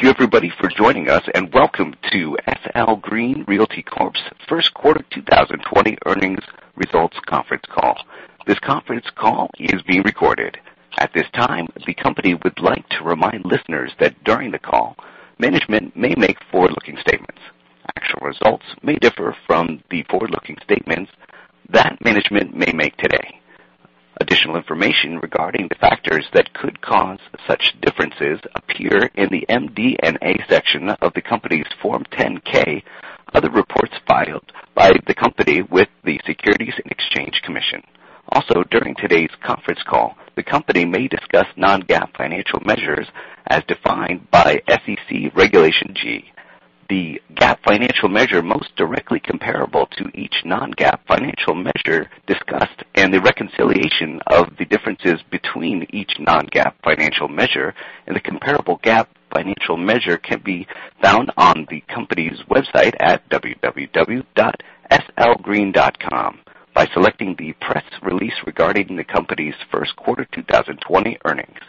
Thank you everybody for joining us, and welcome to SL Green Realty Corp's first quarter 2020 earnings results conference call. This conference call is being recorded. At this time, the company would like to remind listeners that during the call, management may make forward-looking statements. Actual results may differ from the forward-looking statements that management may make today. Additional information regarding the factors that could cause such differences appear in the MD&A section of the company's Form 10-K, other reports filed by the company with the Securities and Exchange Commission. Also, during today's conference call, the company may discuss non-GAAP financial measures as defined by SEC Regulation G. The GAAP financial measure most directly comparable to each non-GAAP financial measure discussed, and the reconciliation of the differences between each non-GAAP financial measure and the comparable GAAP financial measure can be found on the company's website at www.slgreen.com by selecting the press release regarding the company's first quarter 2020 earnings.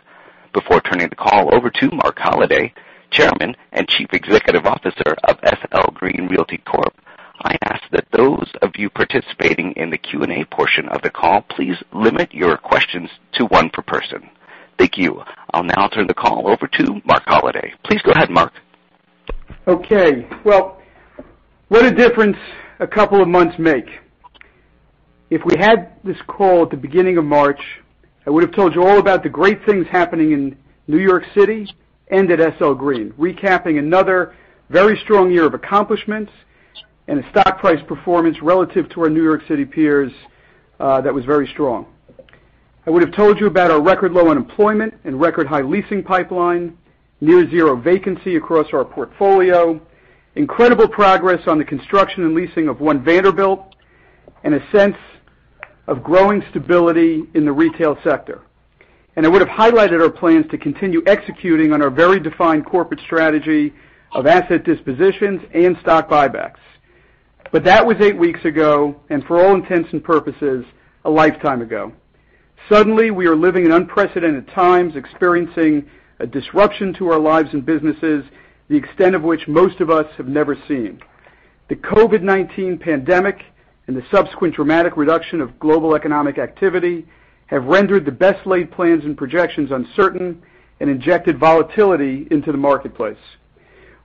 Before turning the call over to Marc Holliday, Chairman and Chief Executive Officer of SL Green Realty Corp, I ask that those of you participating in the Q&A portion of the call, please limit your questions to one per person. Thank you. I'll now turn the call over to Marc Holliday. Please go ahead, Marc. Okay. Well, what a difference a couple of months make. If we had this call at the beginning of March, I would've told you all about the great things happening in New York City and at SL Green, recapping another very strong year of accomplishments and a stock price performance relative to our New York City peers that was very strong. I would've told you about our record low unemployment and record high leasing pipeline, near zero vacancy across our portfolio, incredible progress on the construction and leasing of One Vanderbilt, and a sense of growing stability in the retail sector. I would've highlighted our plans to continue executing on our very defined corporate strategy of asset dispositions and stock buybacks. That was eight weeks ago, and for all intents and purposes, a lifetime ago. Suddenly, we are living in unprecedented times, experiencing a disruption to our lives and businesses, the extent of which most of us have never seen. The COVID-19 pandemic and the subsequent dramatic reduction of global economic activity have rendered the best laid plans and projections uncertain and injected volatility into the marketplace.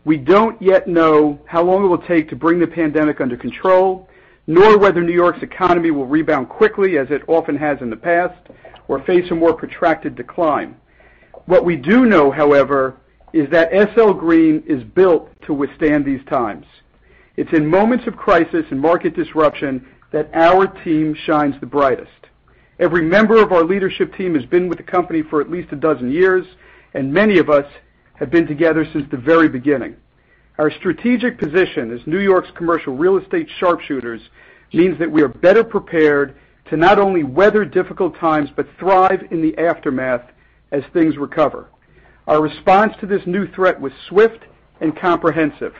We don't yet know how long it will take to bring the pandemic under control, nor whether New York's economy will rebound quickly as it often has in the past, or face a more protracted decline. What we do know, however, is that SL Green is built to withstand these times. It's in moments of crisis and market disruption that our team shines the brightest. Every member of our leadership team has been with the company for at least a dozen years, and many of us have been together since the very beginning. Our strategic position as New York's commercial real estate sharpshooters means that we are better prepared to not only weather difficult times, but thrive in the aftermath as things recover. Our response to this new threat was swift and comprehensive.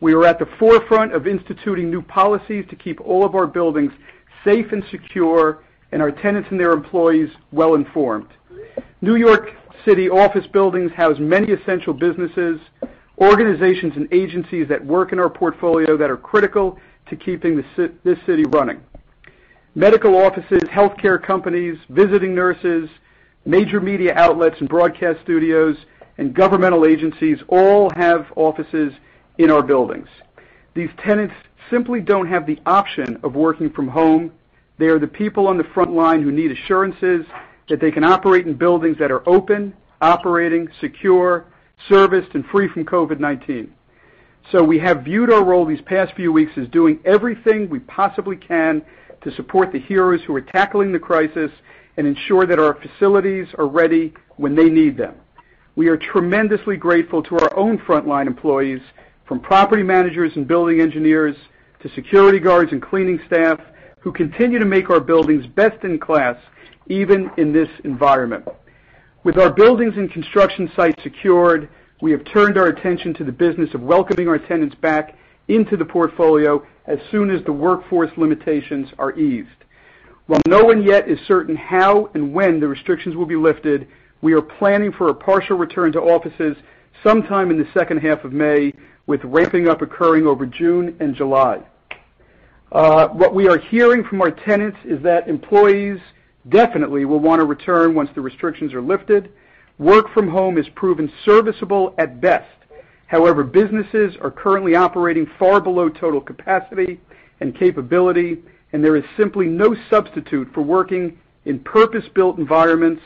We were at the forefront of instituting new policies to keep all of our buildings safe and secure, and our tenants and their employees well-informed. New York City office buildings house many essential businesses, organizations, and agencies that work in our portfolio that are critical to keeping this city running. Medical offices, healthcare companies, visiting nurses, major media outlets and broadcast studios, and governmental agencies all have offices in our buildings. These tenants simply don't have the option of working from home. They are the people on the front line who need assurances that they can operate in buildings that are open, operating, secure, serviced, and free from COVID-19. We have viewed our role these past few few weeks as doing everything we possibly can to support the heroes who are tackling the crisis and ensure that our facilities are ready when they need them. We are tremendously grateful to our own frontline employees, from property managers and building engineers to security guards and cleaning staff, who continue to make our buildings best in class, even in this environment. With our buildings and construction sites secured, we have turned our attention to the business of welcoming our tenants back into the portfolio as soon as the workforce limitations are eased. While no one yet is certain how and when the restrictions will be lifted, we are planning for a partial return to offices sometime in the second half of May, with ramping up occurring over June and July. What we are hearing from our tenants is that employees definitely will want to return once the restrictions are lifted. Work from home has proven serviceable at best. However, businesses are currently operating far below total capacity and capability, and there is simply no substitute for working in purpose-built environments,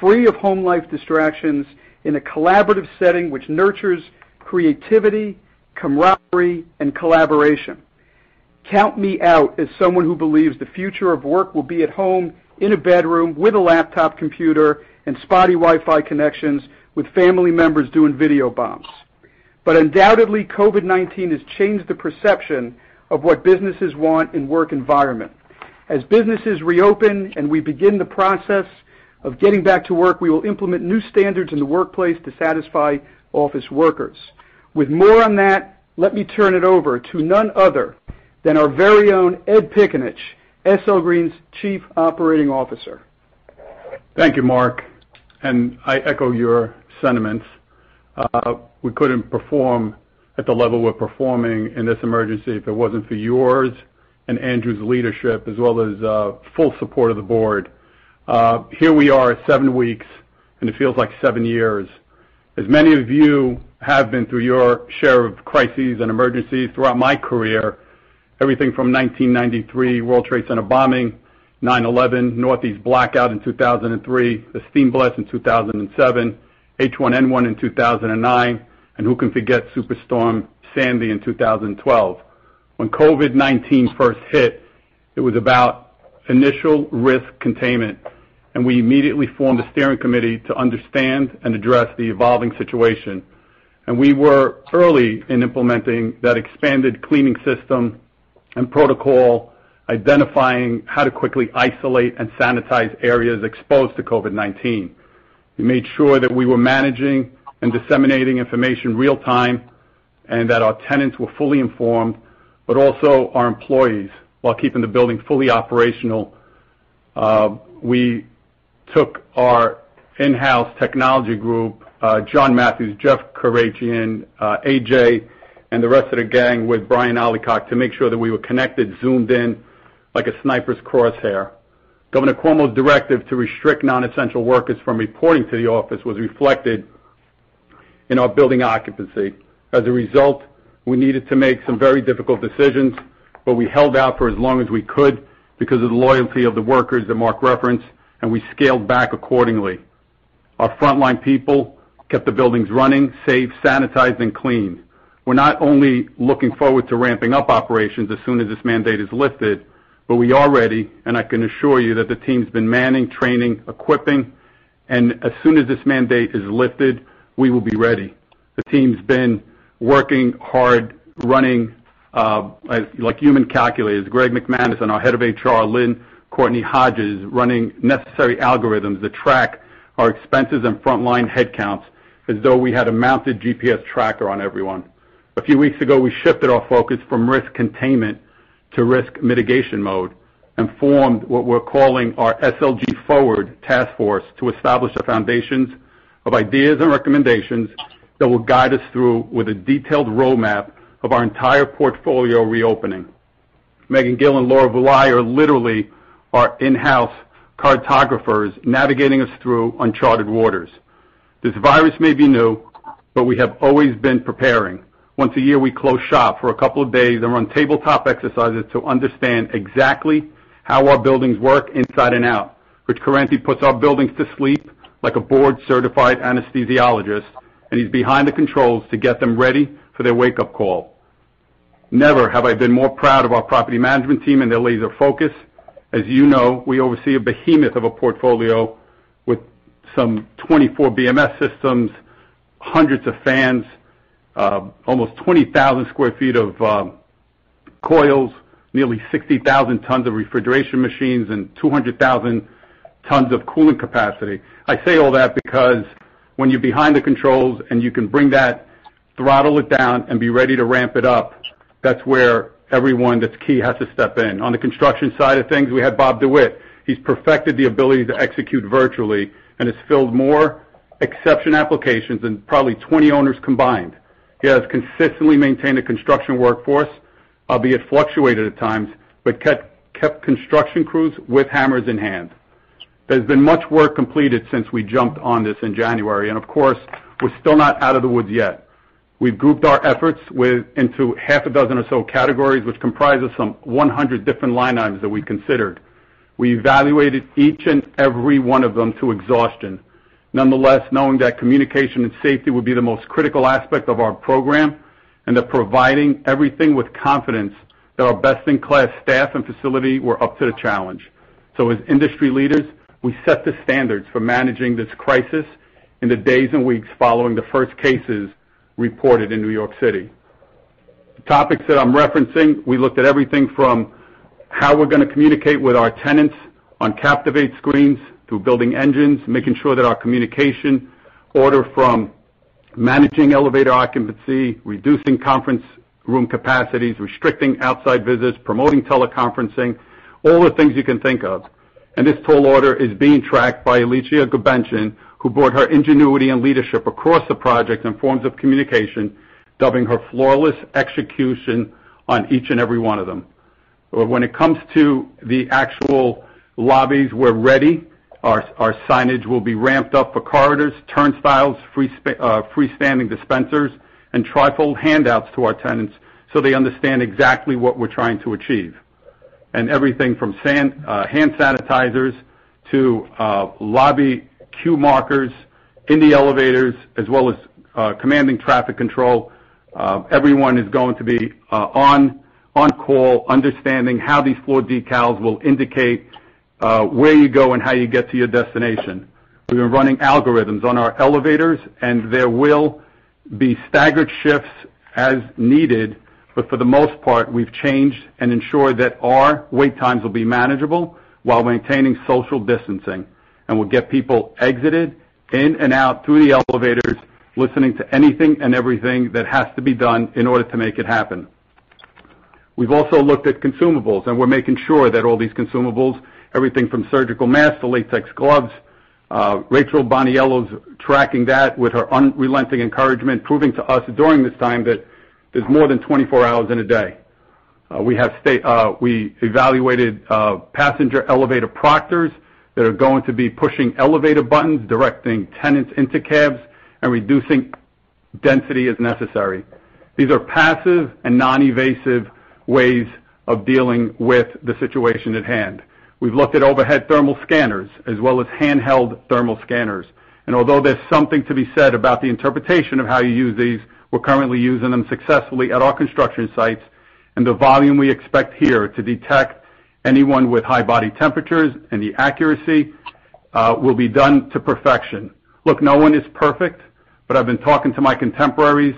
free of home life distractions, in a collaborative setting which nurtures creativity, camaraderie, and collaboration. Count me out as someone who believes the future of work will be at home, in a bedroom, with a laptop computer and spotty Wi-Fi connections, with family members doing video bombs. Undoubtedly, COVID-19 has changed the perception of what businesses want in work environment. As businesses reopen and we begin the process of getting back to work, we will implement new standards in the workplace to satisfy office workers. With more on that, let me turn it over to none other than our very own Ed Piccinich, SL Green's Chief Operating Officer. Thank you, Marc. I echo your sentiments. We couldn't perform at the level we're performing in this emergency if it wasn't for yours and Andrew's leadership as well as full support of the board. Here we are at seven weeks. It feels like seven years. As many of you have been through your share of crises and emergencies throughout my career, everything from 1993 World Trade Center bombing, 9/11, Northeast Blackout in 2003, the steam blast in 2007, H1N1 in 2009. Who can forget Superstorm Sandy in 2012? When COVID-19 first hit, it was about initial risk containment, and we immediately formed a steering committee to understand and address the evolving situation. We were early in implementing that expanded cleaning system and protocol, identifying how to quickly isolate and sanitize areas exposed to COVID-19. We made sure that we were managing and disseminating information real time, and that our tenants were fully informed, but also our employees, while keeping the building fully operational. We took our in-house technology group, John Mathews, Jeff Karagian, AJ, and the rest of the gang, with Brian Allicock, to make sure that we were connected, Zoomed in like a sniper's crosshair. Governor Cuomo's directive to restrict non-essential workers from reporting to the office was reflected in our building occupancy. We needed to make some very difficult decisions, but we held out for as long as we could because of the loyalty of the workers that Marc referenced, and we scaled back accordingly. Our frontline people kept the buildings running, safe, sanitized, and cleaned. We're not only looking forward to ramping up operations as soon as this mandate is lifted, but we are ready, and I can assure you that the team's been manning, training, equipping, and as soon as this mandate is lifted, we will be ready. The team's been working hard, running like human calculators. Greg McManus and our head of HR, Lynne-Courtney Hodges, running necessary algorithms to track our expenses and frontline headcounts as though we had a mounted GPS tracker on everyone. A few weeks ago, we shifted our focus from risk containment to risk mitigation mode and formed what we're calling our SLG Forward task force to establish the foundations of ideas and recommendations that will guide us through with a detailed roadmap of our entire portfolio reopening. Meghann Gill and Laura Vulaj are literally our in-house cartographers navigating us through uncharted waters. This virus may be new, but we have always been preparing. Once a year, we close shop for a couple of days and run tabletop exercises to understand exactly how our buildings work inside and out. Rich Currenti puts our buildings to sleep like a board-certified anesthesiologist, and he's behind the controls to get them ready for their wake-up call. Never have I been more proud of our property management team and their laser focus. As you know, we oversee a behemoth of a portfolio with some 24 BMS systems, hundreds of fans, almost 20,000 sq ft of coils, nearly 60,000 tons of refrigeration machines, and 200,000 tons of cooling capacity. I say all that because when you're behind the controls and you can bring that, throttle it down and be ready to ramp it up, that's where everyone that's key has to step in. On the construction side of things, we had Bob DeWitt. He's perfected the ability to execute virtually and has filled more exception applications than probably 20 owners combined. He has consistently maintained a construction workforce, albeit fluctuated at times, but kept construction crews with hammers in hand. There's been much work completed since we jumped on this in January. Of course, we're still not out of the woods yet. We've grouped our efforts into half a dozen or so categories, which comprise of some 100 different line items that we considered. We evaluated each and every one of them to exhaustion. Nonetheless, knowing that communication and safety would be the most critical aspect of our program, and that providing everything with confidence that our best-in-class staff and facility were up to the challenge. As industry leaders, we set the standards for managing this crisis in the days and weeks following the first cases reported in New York City. The topics that I'm referencing, we looked at everything from how we're going to communicate with our tenants on Captivate screens to BMS, making sure that our communication order from managing elevator occupancy, reducing conference room capacities, restricting outside visits, promoting teleconferencing, all the things you can think of. This tall order is being tracked by Alicia Gubenchin, who brought her ingenuity and leadership across the project in forms of communication, dubbing her flawless execution on each and every one of them. When it comes to the actual lobbies, we're ready. Our signage will be ramped up for corridors, turnstiles, freestanding dispensers, and trifold handouts to our tenants so they understand exactly what we're trying to achieve. Everything from hand sanitizers to lobby queue markers in the elevators, as well as commanding traffic control, everyone is going to be on call, understanding how these floor decals will indicate where you go and how you get to your destination. We are running algorithms on our elevators, and there will be staggered shifts as needed, but for the most part, we've changed and ensured that our wait times will be manageable while maintaining social distancing. We'll get people exited, in and out through the elevators, listening to anything and everything that has to be done in order to make it happen. We've also looked at consumables, and we're making sure that all these consumables, everything from surgical masks to latex gloves, Rachel Boniello is tracking that with her unrelenting encouragement, proving to us during this time that there's more than 24 hours in a day. We evaluated passenger elevator proctors that are going to be pushing elevator buttons, directing tenants into cabs, and reducing density as necessary. These are passive and non-evasive ways of dealing with the situation at hand. We've looked at overhead thermal scanners as well as handheld thermal scanners, and although there's something to be said about the interpretation of how you use these, we're currently using them successfully at our construction sites, and the volume we expect here to detect anyone with high body temperatures, and the accuracy will be done to perfection. Look, no one is perfect, but I've been talking to my contemporaries,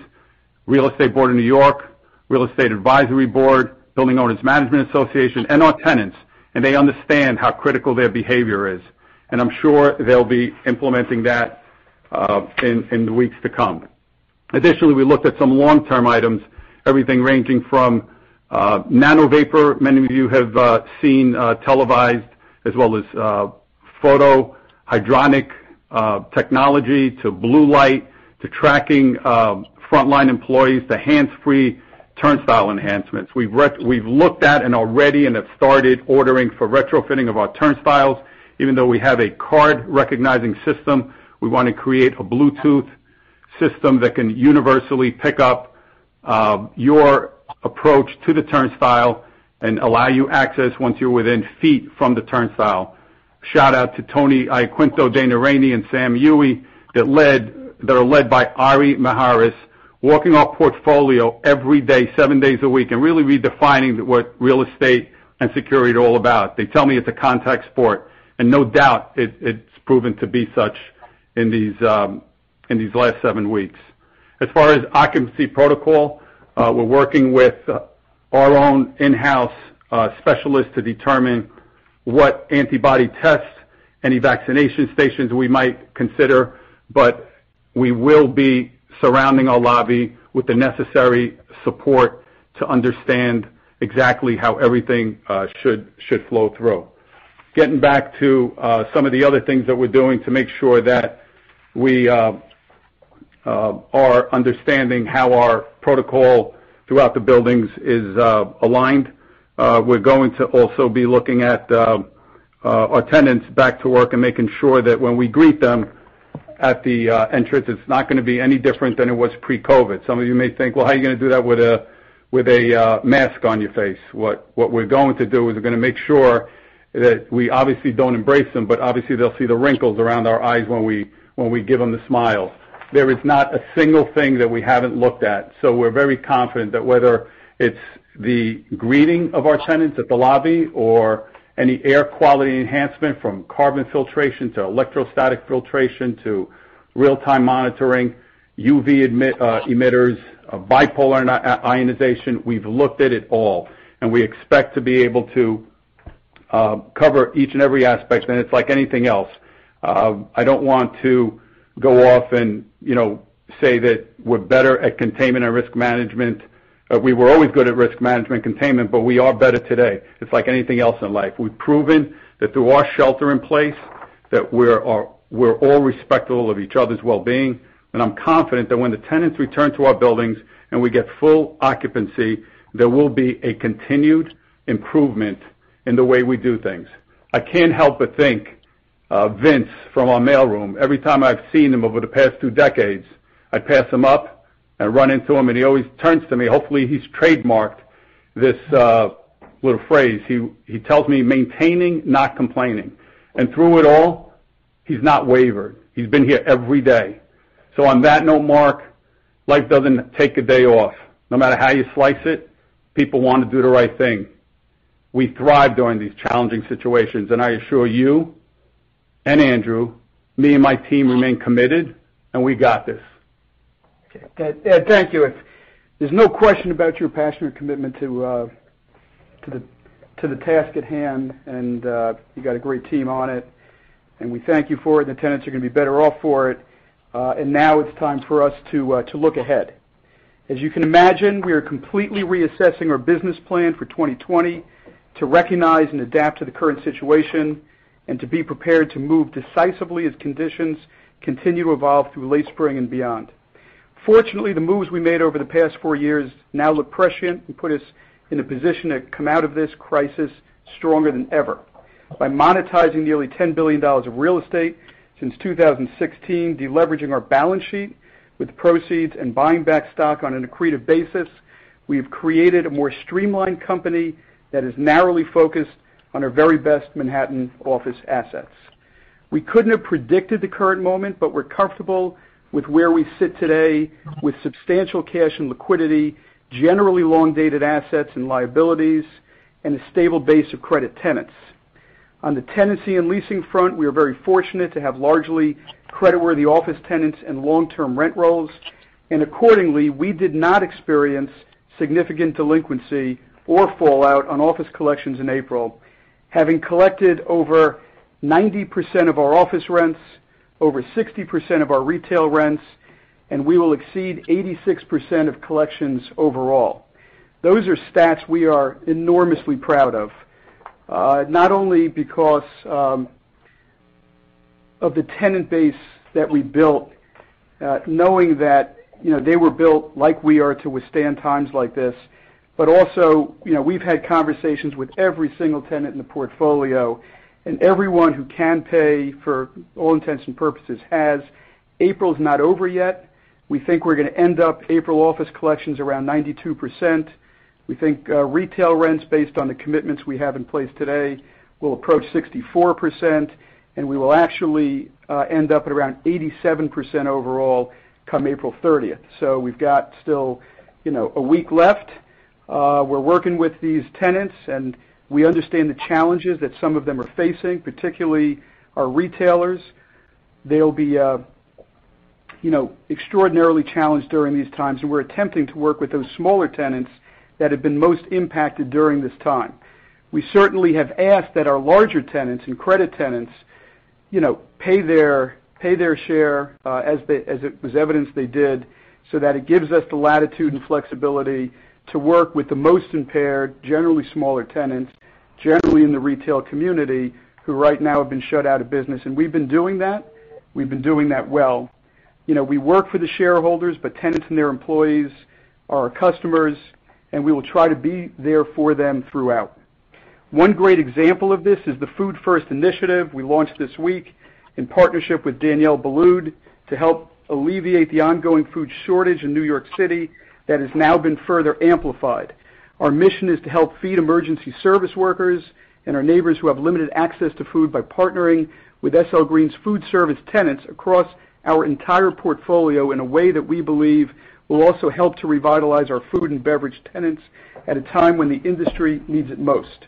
Real Estate Board of New York, Real Estate Advisory Board, Building Owners Management Association, and our tenants. They understand how critical their behavior is. I'm sure they'll be implementing that in the weeks to come. Additionally, we looked at some long-term items, everything ranging from NanoVapor, many of you have seen televised as well as photocatalytic technology, to Bluetooth, to tracking frontline employees, to hands-free turnstile enhancements. We've looked at and already and have started ordering for retrofitting of our turnstiles. Even though we have a card-recognizing system, we want to create a Bluetooth system that can universally pick up your approach to the turnstile and allow you access once you're within feet from the turnstile. Shout out to Tony Iaquinto, Dana Rainey, and Sam Huey, that are led by Ari Maharis, walking our portfolio every day, seven days a week, and really redefining what real estate and security are all about. They tell me it's a contact sport, and no doubt it's proven to be such in these last seven weeks. As far as occupancy protocol, we're working with our own in-house specialists to determine what antibody tests, any vaccination stations we might consider, but we will be surrounding our lobby with the necessary support to understand exactly how everything should flow through. Getting back to some of the other things that we're doing to make sure that we are understanding how our protocol throughout the buildings is aligned. We're going to also be looking at our tenants back to work and making sure that when we greet them at the entrance, it's not going to be any different than it was pre-COVID. Some of you may think, "Well, how are you going to do that with a mask on your face?" What we're going to do is we're going to make sure that we obviously don't embrace them, but obviously they'll see the wrinkles around our eyes when we give them the smile. There is not a single thing that we haven't looked at. We're very confident that whether it's the greeting of our tenants at the lobby or any air quality enhancement from carbon filtration to electrostatic filtration to real-time monitoring, UV emitters, bipolar ionization, we've looked at it all, and we expect to be able to cover each and every aspect. It's like anything else. I don't want to go off and say that we're better at containment and risk management. We were always good at risk management containment, but we are better today. It's like anything else in life. We've proven that through our shelter in place that we're all respectful of each other's wellbeing, and I'm confident that when the tenants return to our buildings and we get full occupancy, there will be a continued improvement in the way we do things. I can't help but think of Vince from our mail room. Every time I've seen him over the past two decades, I pass him up, I run into him, and he always turns to me. Hopefully, he's trademarked this little phrase. He tells me, "Maintaining, not complaining." Through it all, he's not wavered. He's been here every day. On that note, Marc, life doesn't take a day off. No matter how you slice it, people want to do the right thing. We thrive during these challenging situations. I assure you, Andrew, me and my team remain committed. We got this. Okay. Ed, thank you. There's no question about your passion and commitment to the task at hand, you got a great team on it. We thank you for it, and the tenants are going to be better off for it. Now it's time for us to look ahead. As you can imagine, we are completely reassessing our business plan for 2020 to recognize and adapt to the current situation and to be prepared to move decisively as conditions continue to evolve through late spring and beyond. Fortunately, the moves we made over the past four years now look prescient and put us in a position to come out of this crisis stronger than ever. By monetizing nearly $10 billion of real estate since 2016, de-leveraging our balance sheet with proceeds, and buying back stock on an accretive basis, we've created a more streamlined company that is narrowly focused on our very best Manhattan office assets. We couldn't have predicted the current moment, we're comfortable with where we sit today with substantial cash and liquidity, generally long-dated assets and liabilities, and a stable base of credit tenants. On the tenancy and leasing front, we are very fortunate to have largely creditworthy office tenants and long-term rent rolls. Accordingly, we did not experience significant delinquency or fallout on office collections in April, having collected over 90% of our office rents, over 60% of our retail rents, and we will exceed 86% of collections overall. Those are stats we are enormously proud of, not only because of the tenant base that we built, knowing that they were built, like we are, to withstand times like this, but also, we've had conversations with every single tenant in the portfolio, and everyone who can pay, for all intents and purposes, has. April's not over yet. We think we're going to end up April office collections around 92%. We think retail rents, based on the commitments we have in place today, will approach 64%, and we will actually end up at around 87% overall come April 30th. We've got still a week left. We're working with these tenants, and we understand the challenges that some of them are facing, particularly our retailers. They'll be extraordinarily challenged during these times, and we're attempting to work with those smaller tenants that have been most impacted during this time. We certainly have asked that our larger tenants and credit tenants pay their share, as was evidenced they did, so that it gives us the latitude and flexibility to work with the most impaired, generally smaller tenants, generally in the retail community, who right now have been shut out of business. We've been doing that. We've been doing that well. We work for the shareholders, but tenants and their employees are our customers, and we will try to be there for them throughout. One great example of this is the Food First initiative we launched this week in partnership with Daniel Boulud to help alleviate the ongoing food shortage in New York City that has now been further amplified. Our mission is to help feed emergency service workers and our neighbors who have limited access to food by partnering with SL Green's food service tenants across our entire portfolio in a way that we believe will also help to revitalize our food and beverage tenants at a time when the industry needs it most.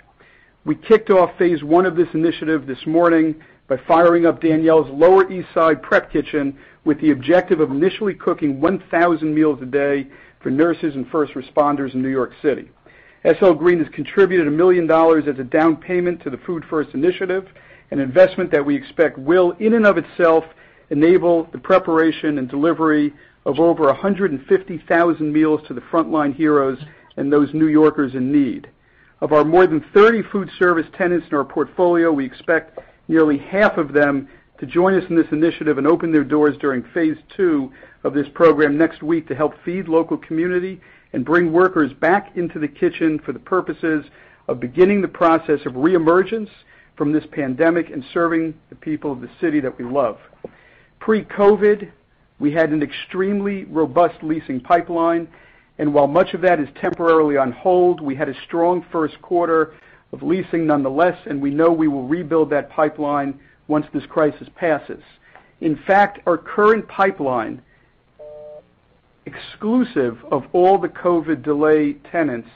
We kicked off phase I of this initiative this morning by firing up Daniel's Lower East Side prep kitchen with the objective of initially cooking 1,000 meals a day for nurses and first responders in New York City. SL Green has contributed $1 million as a down payment to the Food First initiative, an investment that we expect will, in and of itself, enable the preparation and delivery of over 150,000 meals to the frontline heroes and those New Yorkers in need. Of our more than 30 food service tenants in our portfolio, we expect nearly half of them to join us in this Initiative and open their doors during phase II of this program next week to help feed local community and bring workers back into the kitchen for the purposes of beginning the process of re-emergence from this pandemic and serving the people of the city that we love. Pre-COVID, we had an extremely robust leasing pipeline. While much of that is temporarily on hold, we had a strong first quarter of leasing nonetheless. We know we will rebuild that pipeline once this crisis passes. Our current pipeline, exclusive of all the COVID-delay tenants,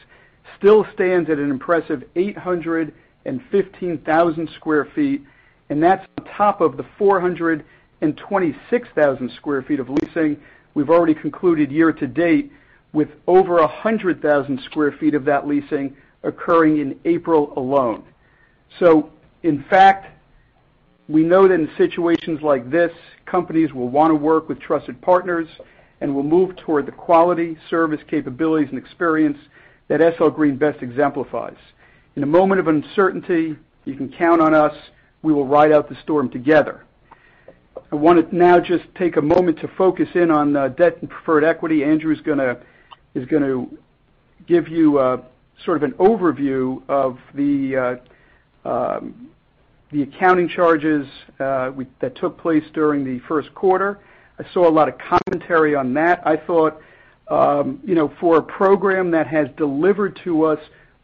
still stands at an impressive 815,000 square feet, and that's on top of the 426,000 square feet of leasing we've already concluded year to date, with over 100,000 square feet of that leasing occurring in April alone. We know that in situations like this, companies will want to work with trusted partners and will move toward the quality, service capabilities, and experience that SL Green best exemplifies. In a moment of uncertainty, you can count on us. We will ride out the storm together. I want to now just take a moment to focus in on debt and preferred equity. Andrew's going to give you sort of an overview of the accounting charges that took place during the first quarter. I saw a lot of commentary on that. I thought, for a program that has delivered to us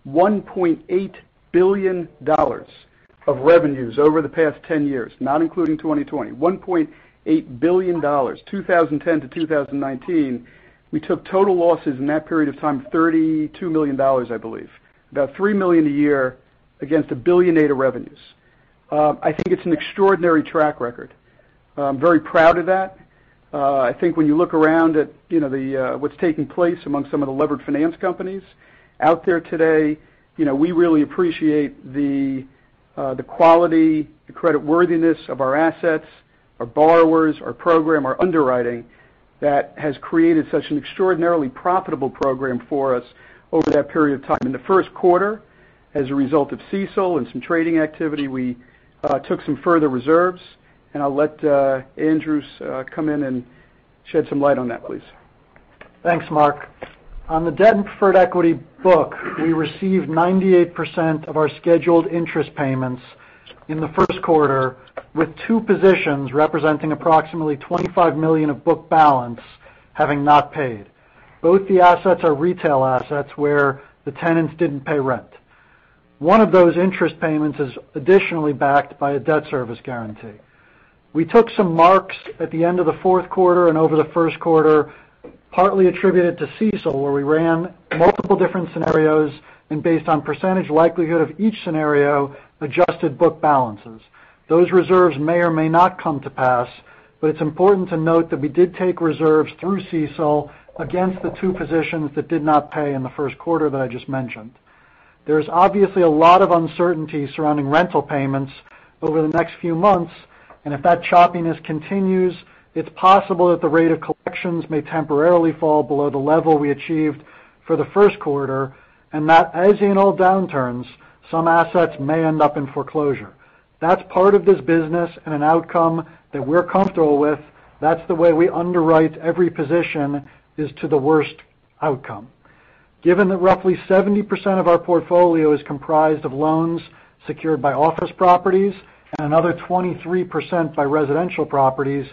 $1.8 billion of revenues over the past 10 years, not including 2020. $1.8 billion, 2010 to 2019. We took total losses in that period of time, $32 million, I believe. About $3 million a year against $1.8 billion of revenues. I think it's an extraordinary track record. I'm very proud of that. I think when you look around at what's taking place among some of the levered finance companies out there today, we really appreciate the quality, the credit worthiness of our assets, our borrowers, our program, our underwriting that has created such an extraordinarily profitable program for us over that period of time. In the first quarter, as a result of CECL and some trading activity, we took some further reserves, and I'll let Andrew come in and shed some light on that, please. Thanks, Marc. On the debt and preferred equity book, we received 98% of our scheduled interest payments in the first quarter, with two positions representing approximately $25 million of book balance having not paid. Both the assets are retail assets, where the tenants didn't pay rent. One of those interest payments is additionally backed by a debt service guarantee. We took some marks at the end of the fourth quarter and over the first quarter, partly attributed to CECL, where we ran multiple different scenarios, and based on percentage likelihood of each scenario, adjusted book balances. Those reserves may or may not come to pass, but it's important to note that we did take reserves through CECL against the two positions that did not pay in the first quarter that I just mentioned. There's obviously a lot of uncertainty surrounding rental payments over the next few months, and if that choppiness continues, it's possible that the rate of collections may temporarily fall below the level we achieved for the first quarter, and that as in all downturns, some assets may end up in foreclosure. That's part of this business and an outcome that we're comfortable with. That's the way we underwrite every position, is to the worst outcome. Given that roughly 70% of our portfolio is comprised of loans secured by office properties and another 23% by residential properties,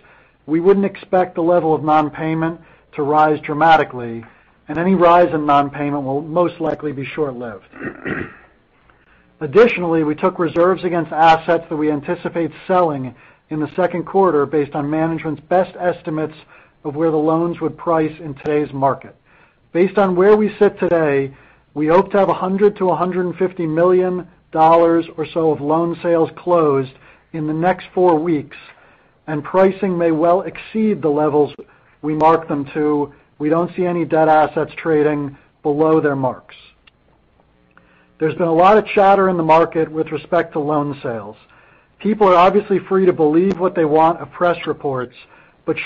we wouldn't expect the level of non-payment to rise dramatically, and any rise in non-payment will most likely be short-lived. Additionally, we took reserves against assets that we anticipate selling in the second quarter based on management's best estimates of where the loans would price in today's market. Based on where we sit today, we hope to have $100 million-$150 million or so of loan sales closed in the next four weeks. Pricing may well exceed the levels we mark them to. We don't see any debt assets trading below their marks. There's been a lot of chatter in the market with respect to loan sales. People are obviously free to believe what they want of press reports.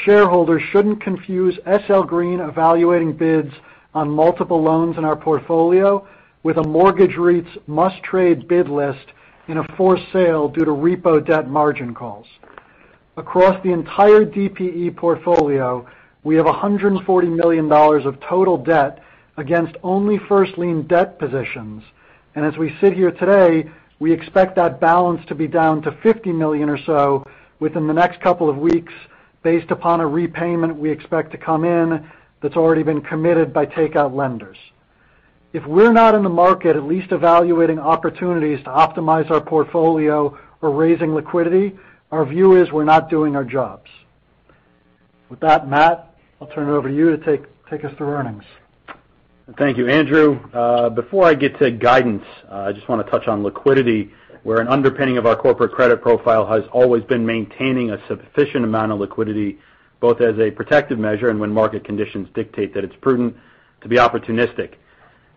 Shareholders shouldn't confuse SL Green evaluating bids on multiple loans in our portfolio with a mortgage REIT's must-trade bid list in a for sale due to repo debt margin calls. Across the entire DPE portfolio, we have $140 million of total debt against only first-lien debt positions. As we sit here today, we expect that balance to be down to $50 million or so within the next couple of weeks based upon a repayment we expect to come in that's already been committed by takeout lenders. If we're not in the market at least evaluating opportunities to optimize our portfolio or raising liquidity, our view is we're not doing our jobs. With that, Matt, I'll turn it over to you to take us through earnings. Thank you, Andrew. Before I get to guidance, I just want to touch on liquidity, where an underpinning of our corporate credit profile has always been maintaining a sufficient amount of liquidity, both as a protective measure and when market conditions dictate that it's prudent to be opportunistic.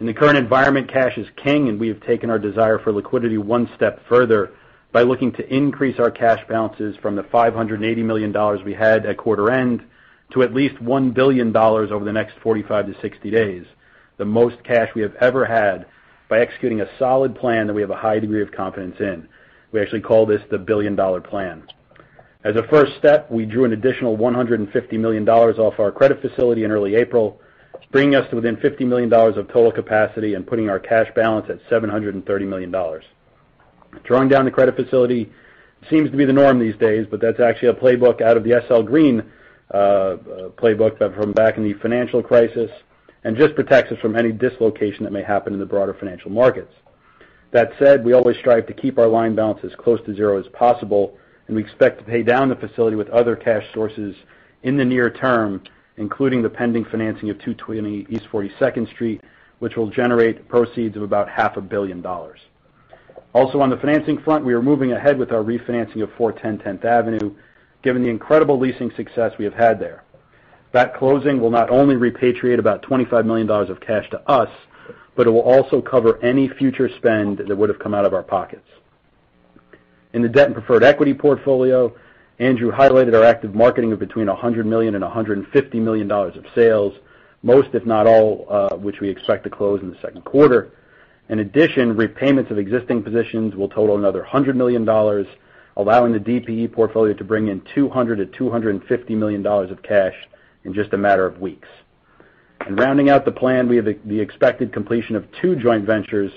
In the current environment, cash is king, and we have taken our desire for liquidity one step further by looking to increase our cash balances from the $580 million we had at quarter end to at least $1 billion over the next 45-60 days, the most cash we have ever had by executing a solid plan that we have a high degree of confidence in. We actually call this the Billion-Dollar Plan. As a first step, we drew an additional $150 million off our credit facility in early April, bringing us to within $50 million of total capacity and putting our cash balance at $730 million. Drawing down the credit facility seems to be the norm these days, but that's actually a playbook out of the SL Green playbook from back in the financial crisis and just protects us from any dislocation that may happen in the broader financial markets. That said, we always strive to keep our line balances as close to zero as possible, and we expect to pay down the facility with other cash sources in the near term, including the pending financing of 220 East 42nd Street, which will generate proceeds of about half a billion dollars. Also on the financing front, we are moving ahead with our refinancing of 410 Tenth Avenue, given the incredible leasing success we have had there. That closing will not only repatriate about $25 million of cash to us, but it will also cover any future spend that would've come out of our pockets. In the debt and preferred equity portfolio, Andrew highlighted our active marketing of $100 million-$150 million of sales, most if not all of which we expect to close in the second quarter. In addition, repayments of existing positions will total another $100 million, allowing the DPE portfolio to bring in $200 million-$250 million of cash in just a matter of weeks. Rounding out the plan, we have the expected completion of two joint ventures,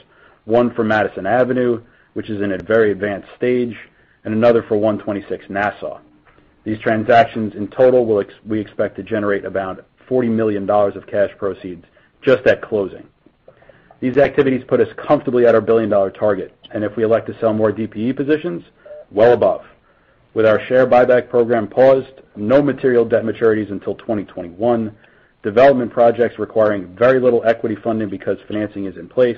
one for One Madison Avenue, which is in a very advanced stage, and another for 126 Nassau. These transactions in total we expect to generate about $40 million of cash proceeds just at closing. These activities put us comfortably at our billion-dollar target, and if we elect to sell more DPE positions, well above. With our share buyback program paused, no material debt maturities until 2021, development projects requiring very little equity funding because financing is in place,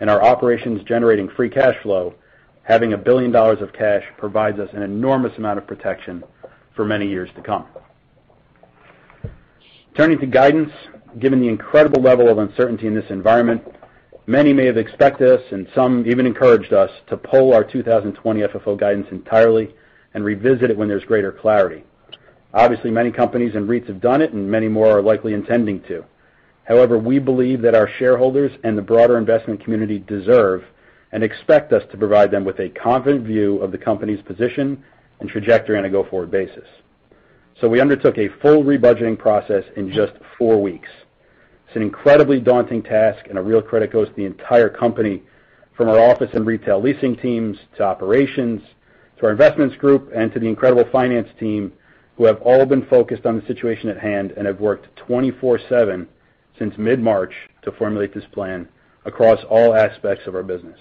and our operations generating free cash flow, having $1 billion of cash provides us an enormous amount of protection for many years to come. Turning to guidance, given the incredible level of uncertainty in this environment, many may have expected us, and some even encouraged us, to pull our 2020 FFO guidance entirely and revisit it when there's greater clarity. Obviously, many companies and REITs have done it, and many more are likely intending to. However, we believe that our shareholders and the broader investment community deserve and expect us to provide them with a confident view of the company's position and trajectory on a go-forward basis. We undertook a full rebudgeting process in just four weeks. It's an incredibly daunting task, and a real credit goes to the entire company, from our office and retail leasing teams to operations, to our investments group, and to the incredible finance team, who have all been focused on the situation at hand and have worked 24/7 since mid-March to formulate this plan across all aspects of our business.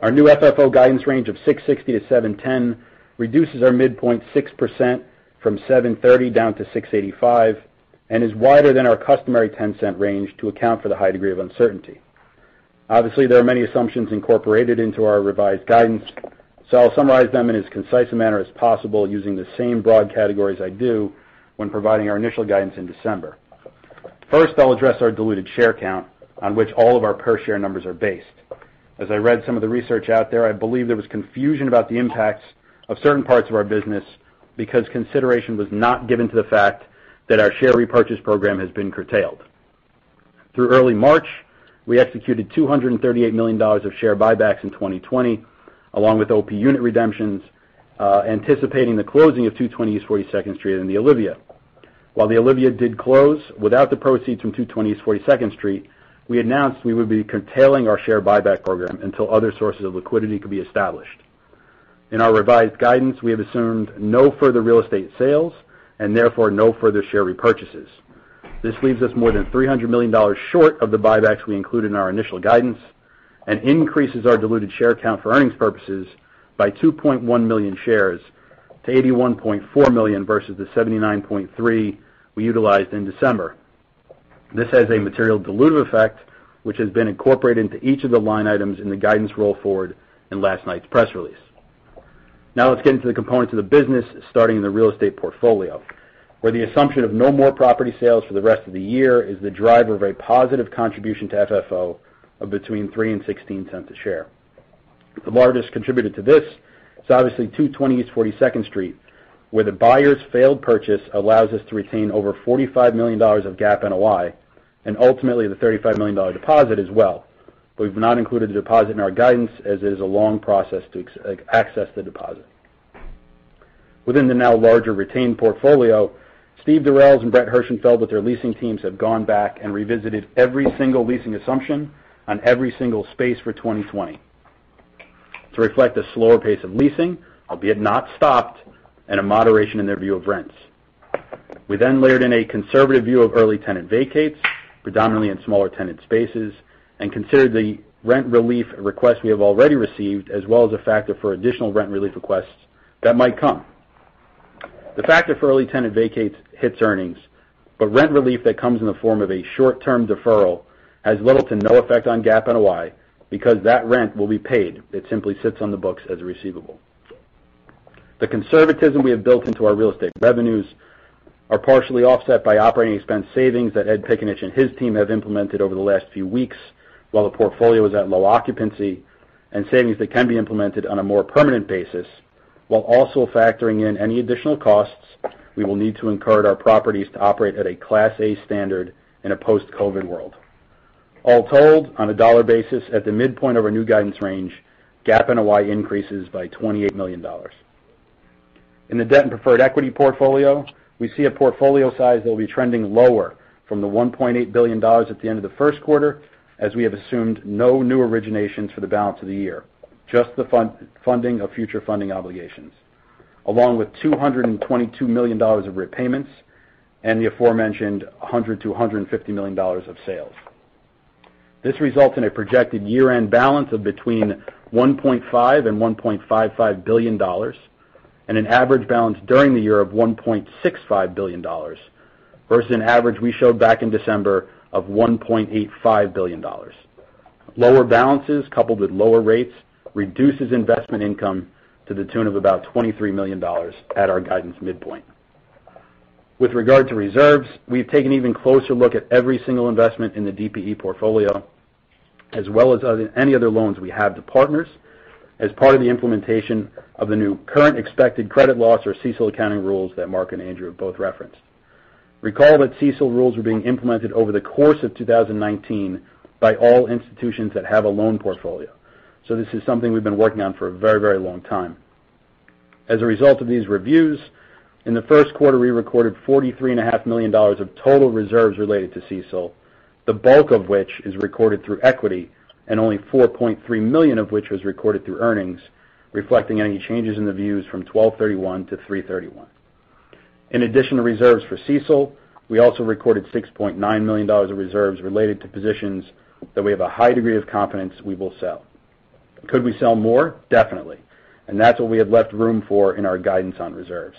Our new FFO guidance range of $6.60 to $7.10 reduces our midpoint 6% from $7.30 down to $6.85. Is wider than our customary $0.10 range to account for the high degree of uncertainty. There are many assumptions incorporated into our revised guidance, so I'll summarize them in as concise a manner as possible using the same broad categories I do when providing our initial guidance in December. First, I'll address our diluted share count on which all of our per-share numbers are based. As I read some of the research out there, I believe there was confusion about the impacts of certain parts of our business because consideration was not given to the fact that our share repurchase program has been curtailed. Through early March, we executed $238 million of share buybacks in 2020, along with OP unit redemptions, anticipating the closing of 220 East 42nd Street and The Olivia. While The Olivia did close, without the proceeds from 220 East 42nd Street, we announced we would be curtailing our share buyback program until other sources of liquidity could be established. In our revised guidance, we have assumed no further real estate sales, and therefore no further share repurchases. This leaves us more than $300 million short of the buybacks we include in our initial guidance and increases our diluted share count for earnings purposes by 2.1 million shares to 81.4 million versus the 79.3 we utilized in December. This has a material dilutive effect, which has been incorporated into each of the line items in the guidance roll forward in last night's press release. Let's get into the components of the business, starting in the real estate portfolio, where the assumption of no more property sales for the rest of the year is the driver of a positive contribution to FFO of between $0.03 and $0.16 a share. The largest contributor to this is obviously 220 East 42nd Street, where the buyer's failed purchase allows us to retain over $45 million of GAAP NOI and ultimately the $35 million deposit as well. We've not included the deposit in our guidance, as it is a long process to access the deposit. Within the now larger retained portfolio, Steve Durels and Brett Herschenfeld with their leasing teams have gone back and revisited every single leasing assumption on every single space for 2020 to reflect a slower pace of leasing, albeit not stopped, and a moderation in their view of rents. We then layered in a conservative view of early tenant vacates, predominantly in smaller tenant spaces, and considered the rent relief requests we have already received, as well as a factor for additional rent relief requests that might come. The factor for early tenant vacates hits earnings, but rent relief that comes in the form of a short-term deferral has little to no effect on GAAP NOI because that rent will be paid. It simply sits on the books as a receivable. The conservatism we have built into our real estate revenues are partially offset by operating expense savings that Ed Piccinich and his team have implemented over the last few weeks while the portfolio is at low occupancy, and savings that can be implemented on a more permanent basis, while also factoring in any additional costs we will need to incur at our properties to operate at a Class A standard in a post-COVID world. All told, on a dollar basis at the midpoint of our new guidance range, GAAP NOI increases by $28 million. In the debt and preferred equity portfolio, we see a portfolio size that will be trending lower from the $1.8 billion at the end of the first quarter, as we have assumed no new originations for the balance of the year, just the funding of future funding obligations, along with $222 million of repayments and the aforementioned $100 million-$150 million of sales. This results in a projected year-end balance of between $1.5 billion and $1.55 billion, and an average balance during the year of $1.65 billion, versus an average we showed back in December of $1.85 billion. Lower balances, coupled with lower rates, reduces investment income to the tune of about $23 million at our guidance midpoint. With regard to reserves, we've taken an even closer look at every single investment in the DPE portfolio, as well as any other loans we have to partners as part of the implementation of the new Current Expected Credit Loss, or CECL, accounting rules that Marc and Andrew both referenced. Recall that CECL rules were being implemented over the course of 2019 by all institutions that have a loan portfolio. This is something we've been working on for a very long time. As a result of these reviews, in the first quarter, we recorded $43.5 million of total reserves related to CECL, the bulk of which is recorded through equity, and only $4.3 million of which was recorded through earnings, reflecting any changes in the views from 12/31 to 3/31. In addition to reserves for CECL, we also recorded $6.9 million of reserves related to positions that we have a high degree of confidence we will sell. Could we sell more? Definitely. That's what we have left room for in our guidance on reserves.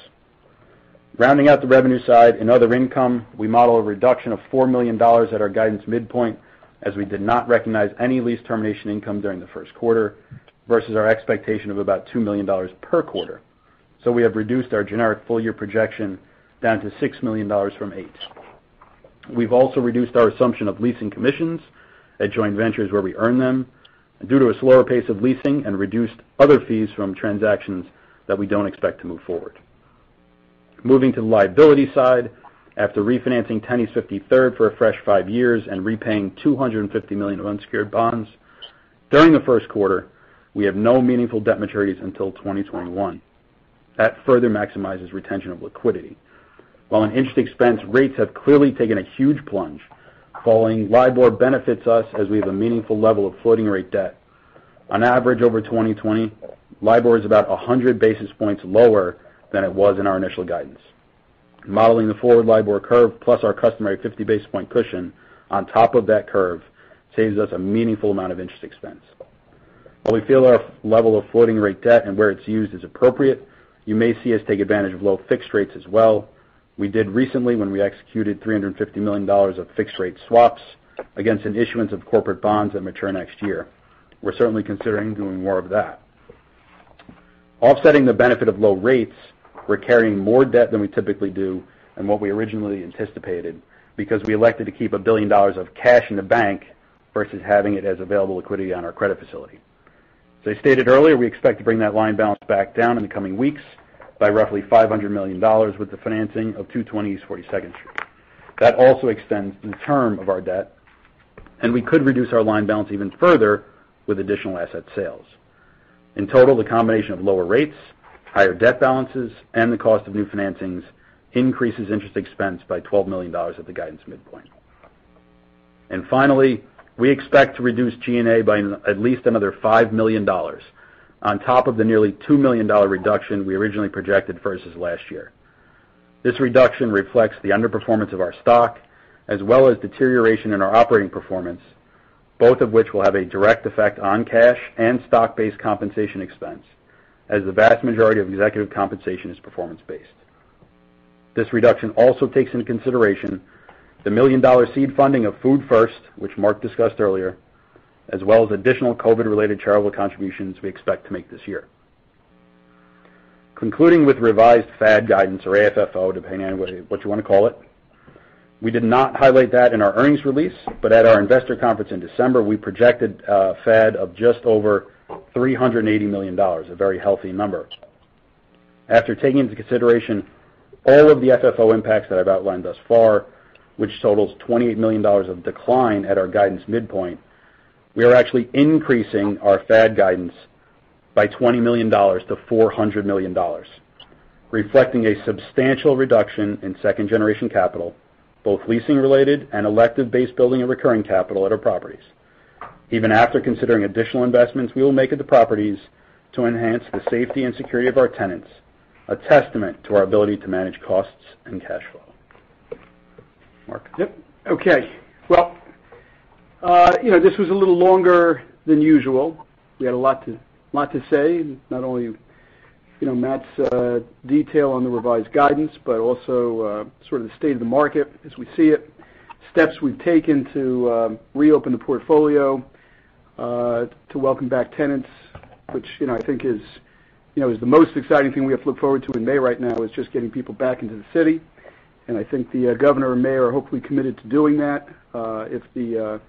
Rounding out the revenue side, in other income, we model a reduction of $4 million at our guidance midpoint, as we did not recognize any lease termination income during the first quarter, versus our expectation of about $2 million per quarter. We have reduced our generic full-year projection down to $6 million from $8. We've also reduced our assumption of leasing commissions at joint ventures where we earn them due to a slower pace of leasing and reduced other fees from transactions that we don't expect to move forward. Moving to the liability side, after refinancing 10 East 53rd for a fresh five years and repaying $250 million of unsecured bonds, during the first quarter, we have no meaningful debt maturities until 2021. That further maximizes retention of liquidity. On interest expense, rates have clearly taken a huge plunge. Falling LIBOR benefits us as we have a meaningful level of floating-rate debt. On average, over 2020, LIBOR is about 100 basis points lower than it was in our initial guidance. Modeling the forward LIBOR curve plus our customary 50-basis-point cushion on top of that curve saves us a meaningful amount of interest expense. We feel our level of floating-rate debt and where it's used is appropriate, you may see us take advantage of low fixed rates as well. We did recently when we executed $350 million of fixed rate swaps against an issuance of corporate bonds that mature next year. We're certainly considering doing more of that. Offsetting the benefit of low rates, we're carrying more debt than we typically do and what we originally anticipated, because we elected to keep $1 billion of cash in the bank versus having it as available liquidity on our credit facility. As I stated earlier, we expect to bring that line balance back down in the coming weeks by roughly $500 million with the financing of 220 East 42nd Street. That also extends the term of our debt, and we could reduce our line balance even further with additional asset sales. In total, the combination of lower rates, higher debt balances, and the cost of new financings increases interest expense by $12 million at the guidance midpoint. Finally, we expect to reduce G&A by at least another $5 million on top of the nearly $2 million reduction we originally projected versus last year. This reduction reflects the underperformance of our stock, as well as deterioration in our operating performance, both of which will have a direct effect on cash and stock-based compensation expense, as the vast majority of executive compensation is performance-based. This reduction also takes into consideration the $1 million seed funding of Food First, which Marc discussed earlier, as well as additional COVID-related charitable contributions we expect to make this year. Concluding with revised FAD guidance or AFFO, depending on what you want to call it, we did not highlight that in our earnings release, but at our investor conference in December, we projected a FAD of just over $380 million, a very healthy number. After taking into consideration all of the FFO impacts that I've outlined thus far, which totals $28 million of decline at our guidance midpoint, we are actually increasing our FAD guidance by $20 million to $400 million, reflecting a substantial reduction in second-generation capital, both leasing-related and elective base building and recurring capital at our properties. Even after considering additional investments we will make at the properties to enhance the safety and security of our tenants, a testament to our ability to manage costs and cash flow. Marc? Yep. Okay. Well, this was a little longer than usual. We had a lot to say, not only Matt's detail on the revised guidance, but also sort of the state of the market as we see it, steps we've taken to reopen the portfolio, to welcome back tenants, which I think is the most exciting thing we have to look forward to in May right now is just getting people back into the city. I think the Governor and Mayor are hopefully committed to doing that, if the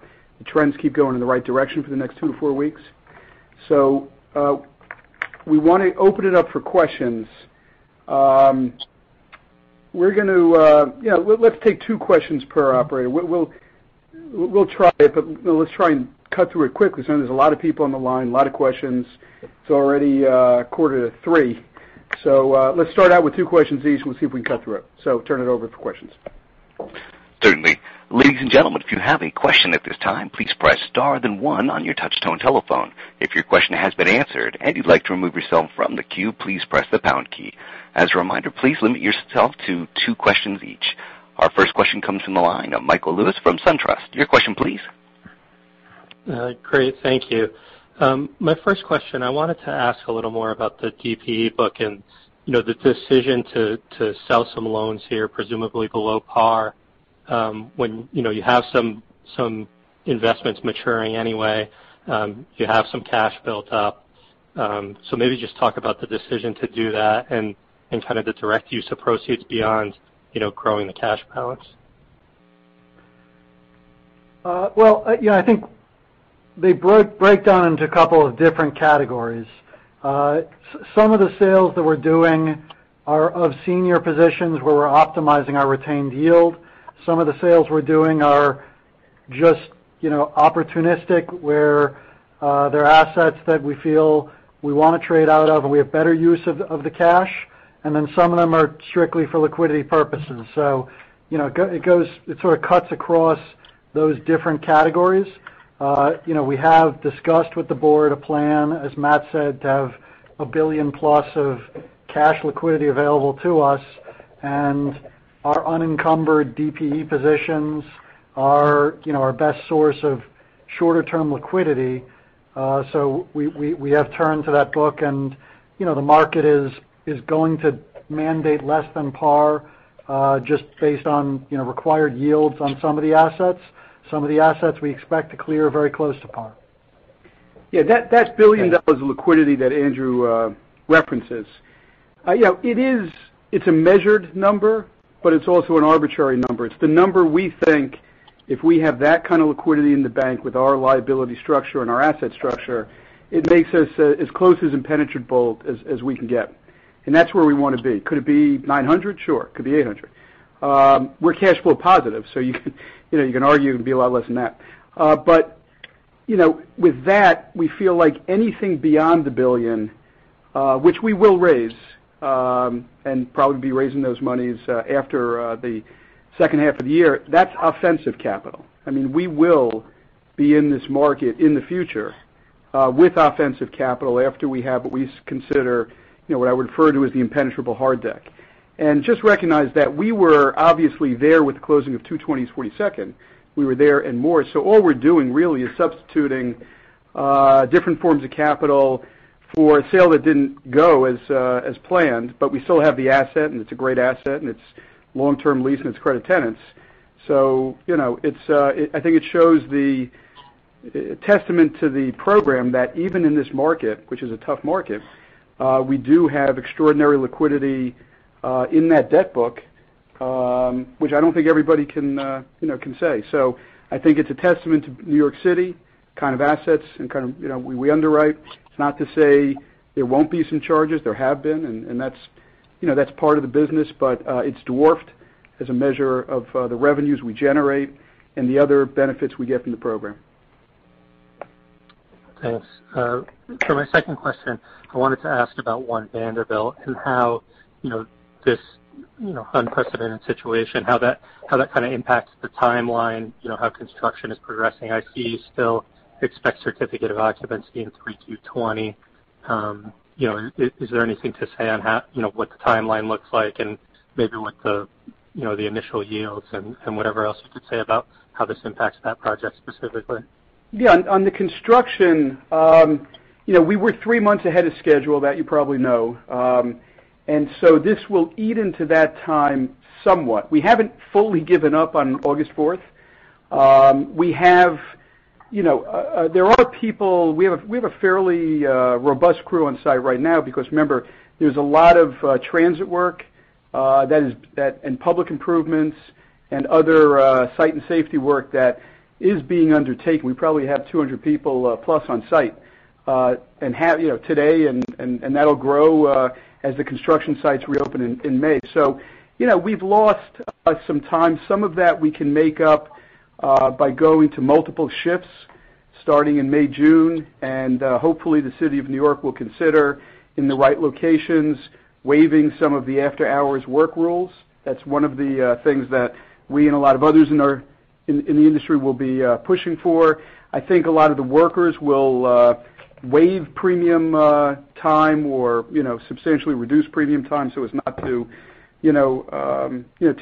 trends keep going in the right direction for the next two to four weeks. We want to open it up for questions. Let's take two questions per operator. We'll try it, but let's try and cut through it quickly. There's a lot of people on the line, a lot of questions. It's already quarter to 3:00. Let's start out with two questions each, and we'll see if we can cut through it. Turn it over for questions. Certainly. Ladies and gentlemen, if you have a question at this time, please press star then one on your touch-tone telephone. If your question has been answered and you'd like to remove yourself from the queue, please press the pound key. As a reminder, please limit yourself to two questions each. Our first question comes from the line of Michael Lewis from SunTrust. Your question please. Great. Thank you. My first question, I wanted to ask a little more about the DPE book and the decision to sell some loans here, presumably below par, when you have some investments maturing anyway, you have some cash built up. Maybe just talk about the decision to do that and kind of the direct use of proceeds beyond growing the cash balance? Well, I think they break down into a couple of different categories. Some of the sales that we're doing are of senior positions where we're optimizing our retained yield. Some of the sales we're doing are just opportunistic, where there are assets that we feel we want to trade out of, and we have better use of the cash. Some of them are strictly for liquidity purposes. It sort of cuts across those different categories. We have discussed with the board a plan, as Matt said, to have a $1 billion plus of cash liquidity available to us, and our unencumbered DPE positions are our best source of shorter-term liquidity. We have turned to that book, and the market is going to mandate less than par, just based on required yields on some of the assets. Some of the assets we expect to clear very close to par. Yeah, that $1 billion of liquidity that Andrew references. It's a measured number, but it's also an arbitrary number. It's the number we think if we have that kind of liquidity in the bank with our liability structure and our asset structure, it makes us as close as impenetrable as we can get. That's where we want to be. Could it be 900? Sure. Could be 800. We're cash flow positive, so you can argue it'd be a lot less than that. With that, we feel like anything beyond the $1 billion, which we will raise, and probably be raising those monies after the second half of the year, that's offensive capital. I mean, we will be in this market in the future with offensive capital after we have what we consider, what I would refer to as the impenetrable hard deck. Just recognize that we were obviously there with the closing of 220 East 42nd. We were there and more. All we're doing really is substituting Different forms of capital for a sale that didn't go as planned, but we still have the asset, and it's a great asset, and it's long-term lease, and it's credit tenants. I think it shows the testament to the program that even in this market, which is a tough market, we do have extraordinary liquidity in that debt book, which I don't think everybody can say. I think it's a testament to New York City kind of assets and kind of we underwrite. It's not to say there won't be some charges. There have been, and that's part of the business, but it's dwarfed as a measure of the revenues we generate and the other benefits we get from the program. Thanks. For my second question, I wanted to ask about One Vanderbilt and how this unprecedented situation, how that kind of impacts the timeline, how construction is progressing. I see you still expect certificate of occupancy in 3Q 2020. Is there anything to say on what the timeline looks like and maybe what the initial yields and whatever else you could say about how this impacts that project specifically? Yeah, on the construction, we were three months ahead of schedule, that you probably know. This will eat into that time somewhat. We haven't fully given up on August fourth. We have a fairly robust crew on site right now because remember, there's a lot of transit work and public improvements and other site and safety work that is being undertaken. We probably have 200 people plus on site today, and that'll grow as the construction sites reopen in May. We've lost some time. Some of that we can make up by going to multiple shifts starting in May, June, and hopefully the city of New York will consider, in the right locations, waiving some of the after-hours work rules. That's one of the things that we and a lot of others in the industry will be pushing for. I think a lot of the workers will waive premium time or substantially reduce premium time, so as not to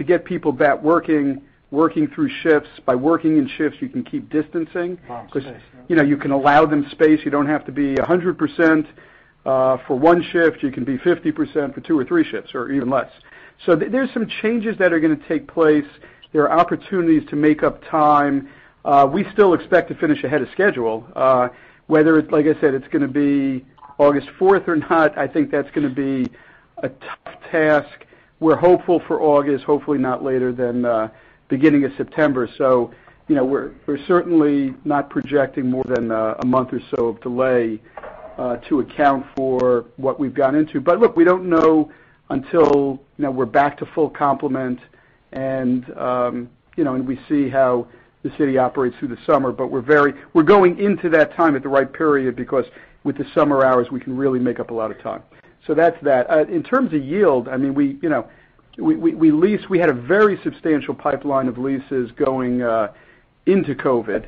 get people back working through shifts. By working in shifts, you can keep distancing. A lot of space, yeah. You can allow them space. You don't have to be 100% for one shift. You can be 50% for two or three shifts, or even less. There's some changes that are going to take place. There are opportunities to make up time. We still expect to finish ahead of schedule. Whether it's, like I said, it's going to be August fourth or not, I think that's going to be a tough task. We're hopeful for August, hopefully not later than beginning of September. We're certainly not projecting more than a month or so of delay to account for what we've gone into. Look, we don't know until we're back to full complement and we see how the city operates through the summer. We're going into that time at the right period because with the summer hours, we can really make up a lot of time. That's that. In terms of yield, we had a very substantial pipeline of leases going into COVID.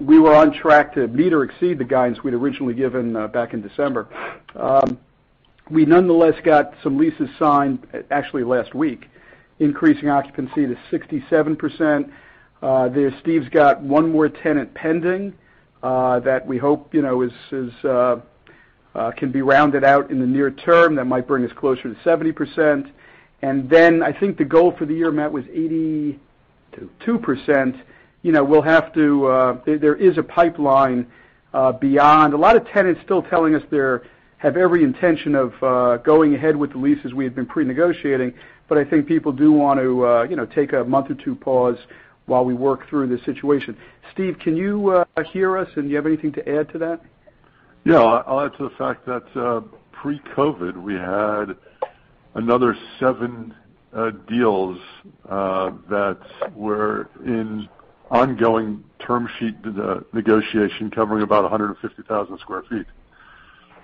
We were on track to meet or exceed the guidance we'd originally given back in December. We nonetheless got some leases signed, actually last week, increasing occupancy to 67%. Steve's got one more tenant pending that we hope can be rounded out in the near term. That might bring us closer to 70%. I think the goal for the year, Matt, was 82%. There is a pipeline beyond. A lot of tenants still telling us they have every intention of going ahead with the leases we had been pre-negotiating, but I think people do want to take a month or two pause while we work through this situation. Steve, can you hear us, and do you have anything to add to that? Yeah. I'll add to the fact that pre-COVID, we had another seven deals that were in ongoing term sheet negotiation covering about 150,000 sq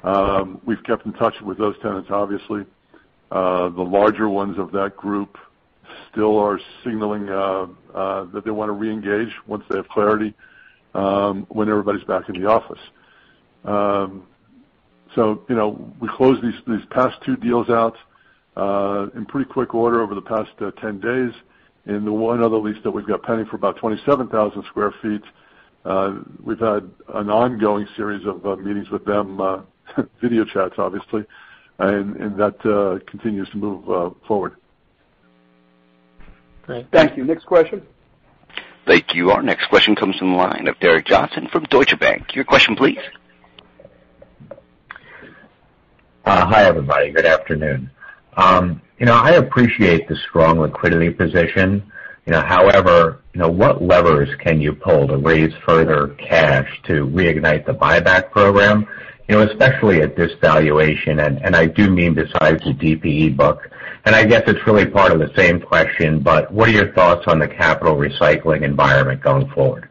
ft. We've kept in touch with those tenants, obviously. The larger ones of that group still are signaling that they want to reengage once they have clarity when everybody's back in the office. We closed these past two deals out in pretty quick order over the past 10 days. In the one other lease that we've got pending for about 27,000 sq ft, we've had an ongoing series of meetings with them, video chats, obviously, and that continues to move forward. Great. Thank you. Next question? Thank you. Our next question comes from the line of Derek Johnston from Deutsche Bank. Your question, please. Hi, everybody. Good afternoon. I appreciate the strong liquidity position. However, what levers can you pull to raise further cash to reignite the buyback program, especially at this valuation, and I do mean besides the DPE book? I guess it's really part of the same question, but what are your thoughts on the capital recycling environment going forward?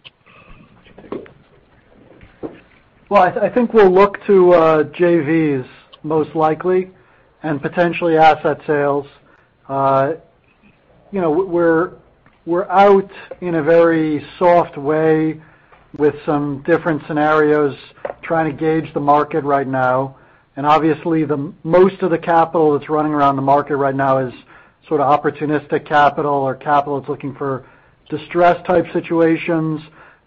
Well, I think we'll look to JVs most likely and potentially asset sales. We're out in a very soft way with some different scenarios, trying to gauge the market right now. Obviously, most of the capital that's running around the market right now is sort of opportunistic capital or capital that's looking for distressed type situations.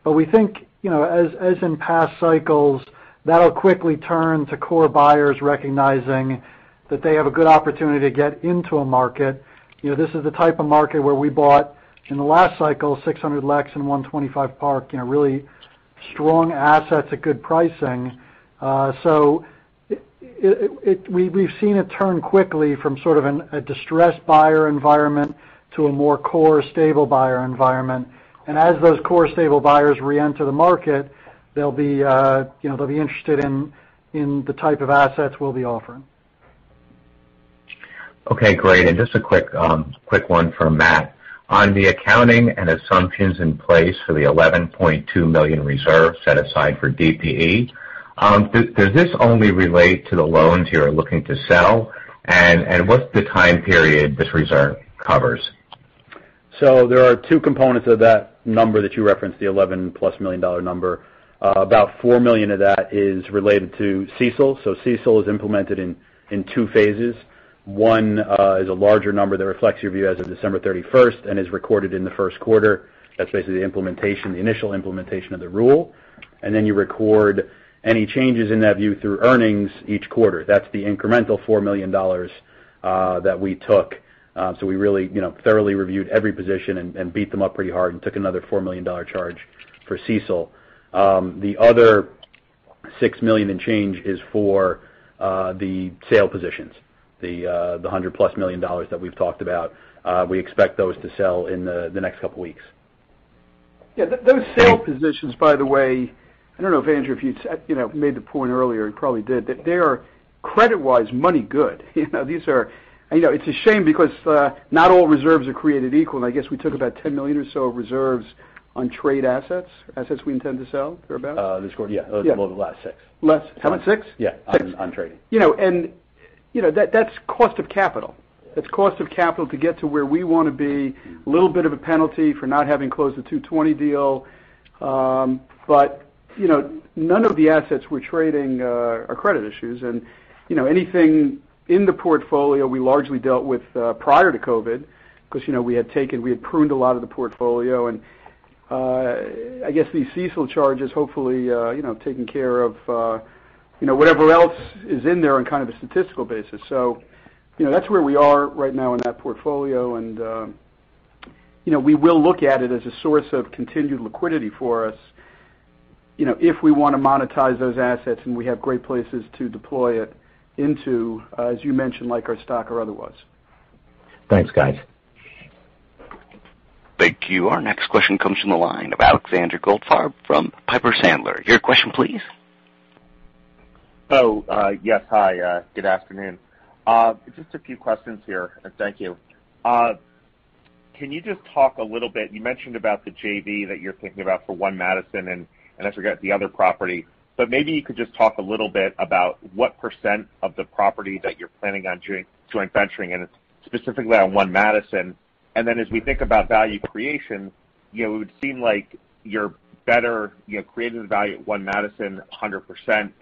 We think, as in past cycles, that'll quickly turn to core buyers recognizing that they have a good opportunity to get into a market. This is the type of market where we bought, in the last cycle, 600 Lex and 125 Park, really strong assets at good pricing. We've seen it turn quickly from sort of a distressed buyer environment to a more core stable buyer environment. As those core stable buyers re-enter the market, they'll be interested in the type of assets we'll be offering. Okay, great. Just a quick one from Matt. On the accounting and assumptions in place for the $11.2 million reserve set aside for DPE, does this only relate to the loans you're looking to sell? What's the time period this reserve covers? There are two components of that number that you referenced, the $11 million+ number. About $4 million of that is related to CECL. CECL is implemented in two phases. One is a larger number that reflects your view as of December 31st and is recorded in the first quarter. That's basically the implementation, the initial implementation of the rule. Then you record any changes in that view through earnings each quarter. That's the incremental $4 million that we took. We really thoroughly reviewed every position and beat them up pretty hard and took another $4 million charge for CECL. The other $6 million in change is for the sale positions, the $100 million plus that we've talked about. We expect those to sell in the next couple of weeks. Yeah. Those sale positions, by the way, I don't know if Andrew, if you made the point earlier, you probably did, that they are credit-wise, money good. It's a shame because not all reserves are created equal, and I guess we took about $10 million or so of reserves on trade assets we intend to sell, fair about? This quarter? Yeah. Well, the last six. Last six? Yeah, on trading. That's cost of capital. It's cost of capital to get to where we want to be, a little bit of a penalty for not having closed the 220 deal. None of the assets we're trading are credit issues, anything in the portfolio we largely dealt with prior to COVID, because we had pruned a lot of the portfolio. I guess these CECL charges, hopefully, taking care of whatever else is in there on kind of a statistical basis. That's where we are right now in that portfolio, and we will look at it as a source of continued liquidity for us, if we want to monetize those assets, and we have great places to deploy it into, as you mentioned, like our stock or otherwise. Thanks, guys. Thank you. Our next question comes from the line of Alexander Goldfarb from Piper Sandler. Your question, please. Oh, yes. Hi, good afternoon. Just a few questions here. Thank you. Can you just talk a little bit, you mentioned about the JV that you're thinking about for One Madison, and I forgot the other property, but maybe you could just talk a little bit about what percent of the property that you're planning on joint venturing, and specifically on One Madison. As we think about value creation, it would seem like you're better creating value at One Madison 100%,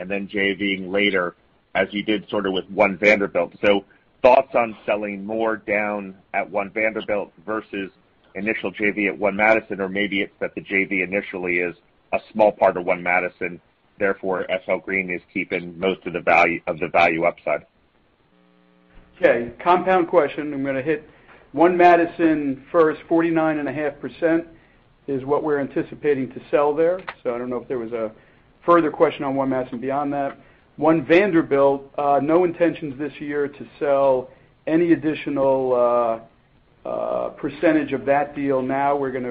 then JV-ing later, as you did sort of with One Vanderbilt. Thoughts on selling more down at One Vanderbilt versus initial JV at One Madison, or maybe it's that the JV initially is a small part of One Madison, therefore, SL Green is keeping most of the value upside. Okay. Compound question. I'm going to hit One Madison first, 49.5% is what we're anticipating to sell there. I don't know if there was a further question on One Madison beyond that. One Vanderbilt, no intentions this year to sell any additional percentage of that deal now. We're going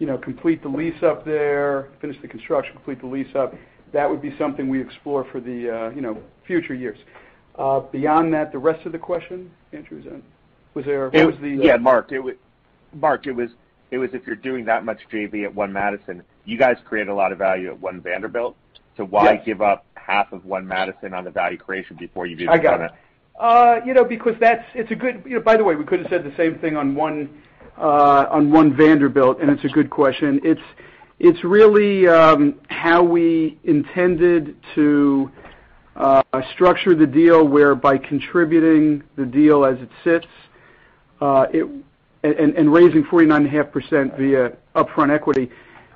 to complete the lease-up there, finish the construction, complete the lease-up. That would be something we explore for the future years. Beyond that, the rest of the question, Andrew, is that. Yeah, Marc. It was if you're doing that much JV at One Madison, you guys create a lot of value at One Vanderbilt. Yes Why give up half of One Madison on the value creation before you do. I got it. By the way, we could've said the same thing on One Vanderbilt, and it's a good question. It's really how we intended to structure the deal, where by contributing the deal as it sits, and raising 49.5% via upfront equity,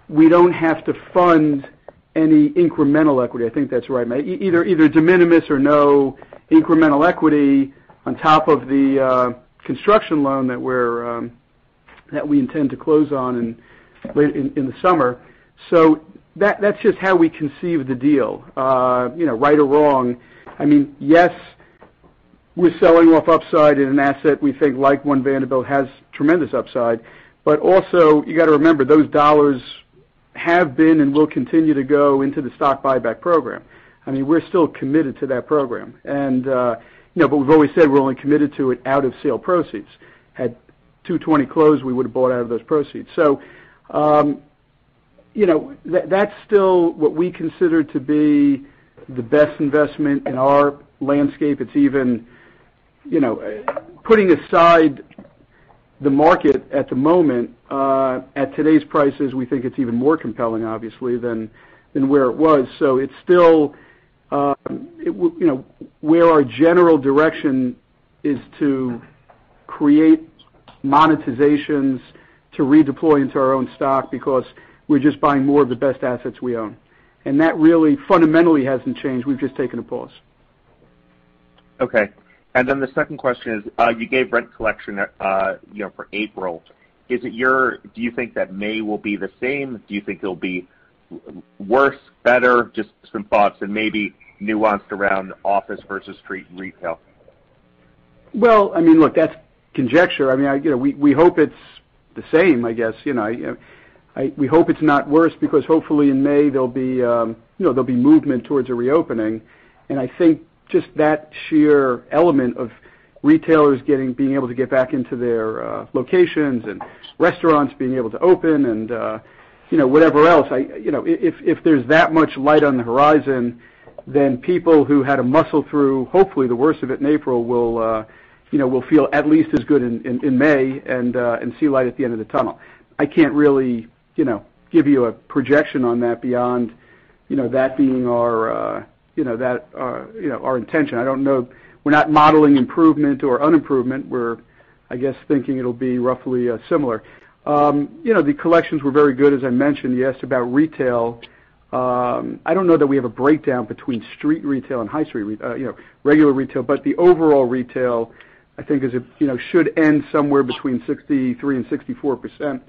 we don't have to fund any incremental equity. I think that's right. Either de minimis or no incremental equity on top of the construction loan that we intend to close on in the summer. That's just how we conceived the deal. Right or wrong. I mean, yes, we're selling off upside in an asset we think like One Vanderbilt, has tremendous upside. Also, you got to remember, those dollars have been and will continue to go into the stock buyback program. I mean, we're still committed to that program. We've always said we're only committed to it out of sale proceeds. Had 220 closed, we would've bought out of those proceeds. That's still what we consider to be the best investment in our landscape. It's even putting aside the market at the moment, at today's prices, we think it's even more compelling, obviously, than where it was. It's still where our general direction is to create monetizations to redeploy into our own stock, because we're just buying more of the best assets we own. That really fundamentally hasn't changed. We've just taken a pause. Okay. The second question is, you gave rent collection for April. Do you think that May will be the same? Do you think it'll be worse, better? Just some thoughts and maybe nuanced around office versus street retail. Well, I mean, look, that's conjecture. We hope it's the same, I guess. We hope it's not worse because hopefully in May, there'll be movement towards a reopening, and I think just that sheer element of retailers being able to get back into their locations and restaurants being able to open and whatever else. If there's that much light on the horizon, then people who had to muscle through, hopefully, the worst of it in April will feel at least as good in May and see light at the end of the tunnel. I can't really give you a projection on that beyond that being our intention. I don't know. We're not modeling improvement or unimprovement. We're, I guess, thinking it'll be roughly similar. The collections were very good, as I mentioned. You asked about retail. I don't know that we have a breakdown between street retail and high street retail, regular retail. The overall retail, I think, should end somewhere between 63% and 64%,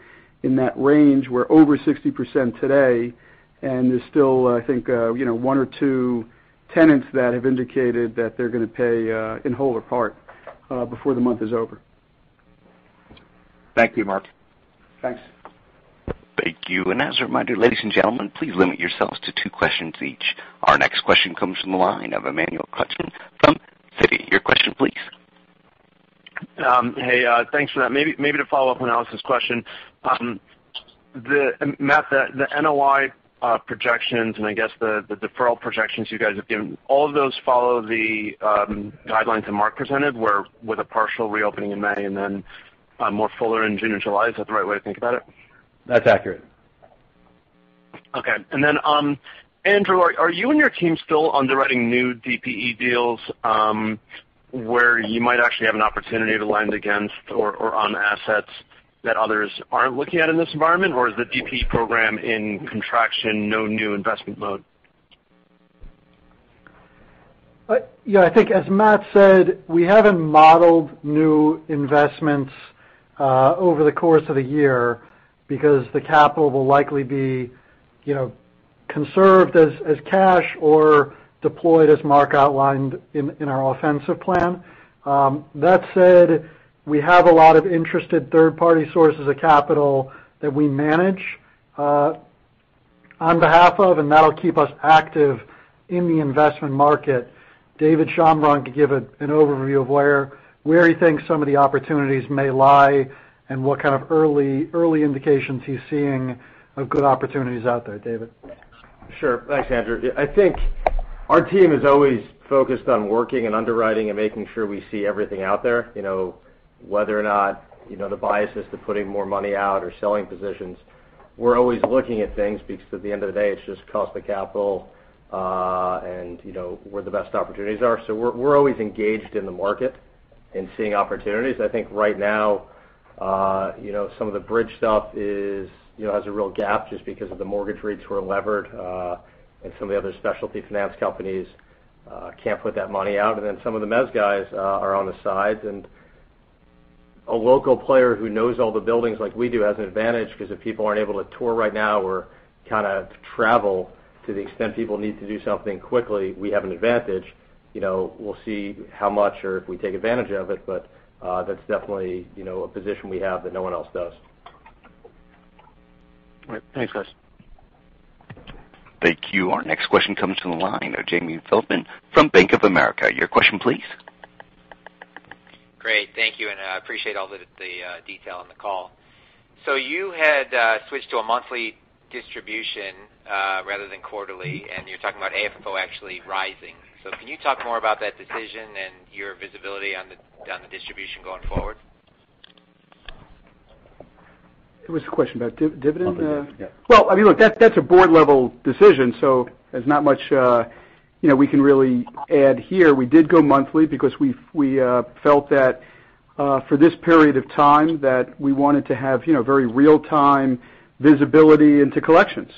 in that range. We're over 60% today. There's still, I think, one or two tenants that have indicated that they're going to pay in whole or part before the month is over. Thank you, Marc. Thanks. Thank you. As a reminder, ladies and gentlemen, please limit yourselves to two questions each. Our next question comes from the line of Emmanuel Korchman from Citi. Your question, please. Hey, thanks for that. Maybe to follow up on Alex's question. Matt, the NOI projections, and I guess the deferral projections you guys have given, all of those follow the guidelines that Marc presented, with a partial reopening in May and then more fuller in June or July. Is that the right way to think about it? That's accurate. Okay. Andrew, are you and your team still underwriting new DPE deals, where you might actually have an opportunity to lend against or on assets that others aren't looking at in this environment? Or is the DPE program in contraction, no new investment mode? I think as Matt said, we haven't modeled new investments over the course of the year because the capital will likely be conserved as cash or deployed as Marc outlined in our offensive plan. We have a lot of interested third-party sources of capital that we manage on behalf of, and that'll keep us active in the investment market. David Schonbraun can give an overview of where he thinks some of the opportunities may lie and what kind of early indications he's seeing of good opportunities out there. David? Sure. Thanks, Andrew. I think our team is always focused on working and underwriting and making sure we see everything out there, whether or not the bias is to putting more money out or selling positions. We're always looking at things because at the end of the day, it's just cost of capital, and where the best opportunities are. We're always engaged in the market and seeing opportunities. I think right now some of the bridge stuff has a real gap just because of the mortgage rates were levered, and some of the other specialty finance companies can't put that money out. Some of the mez guys are on the side. A local player who knows all the buildings like we do has an advantage because if people aren't able to tour right now or kind of travel to the extent people need to do something quickly, we have an advantage. We'll see how much or if we take advantage of it. That's definitely a position we have that no one else does. All right. Thanks, guys. Thank you. Our next question comes from the line of Jamie Feldman from Bank of America. Your question, please. Great. Thank you. I appreciate all the detail on the call. You had switched to a monthly distribution, rather than quarterly, and you're talking about AFFO actually rising. Can you talk more about that decision and your visibility on the distribution going forward? What was the question about? Dividend? Monthly dividend, yeah. I mean, look, that's a board-level decision, so there's not much we can really add here. We did go monthly because we felt that for this period of time that we wanted to have very real-time visibility into collections,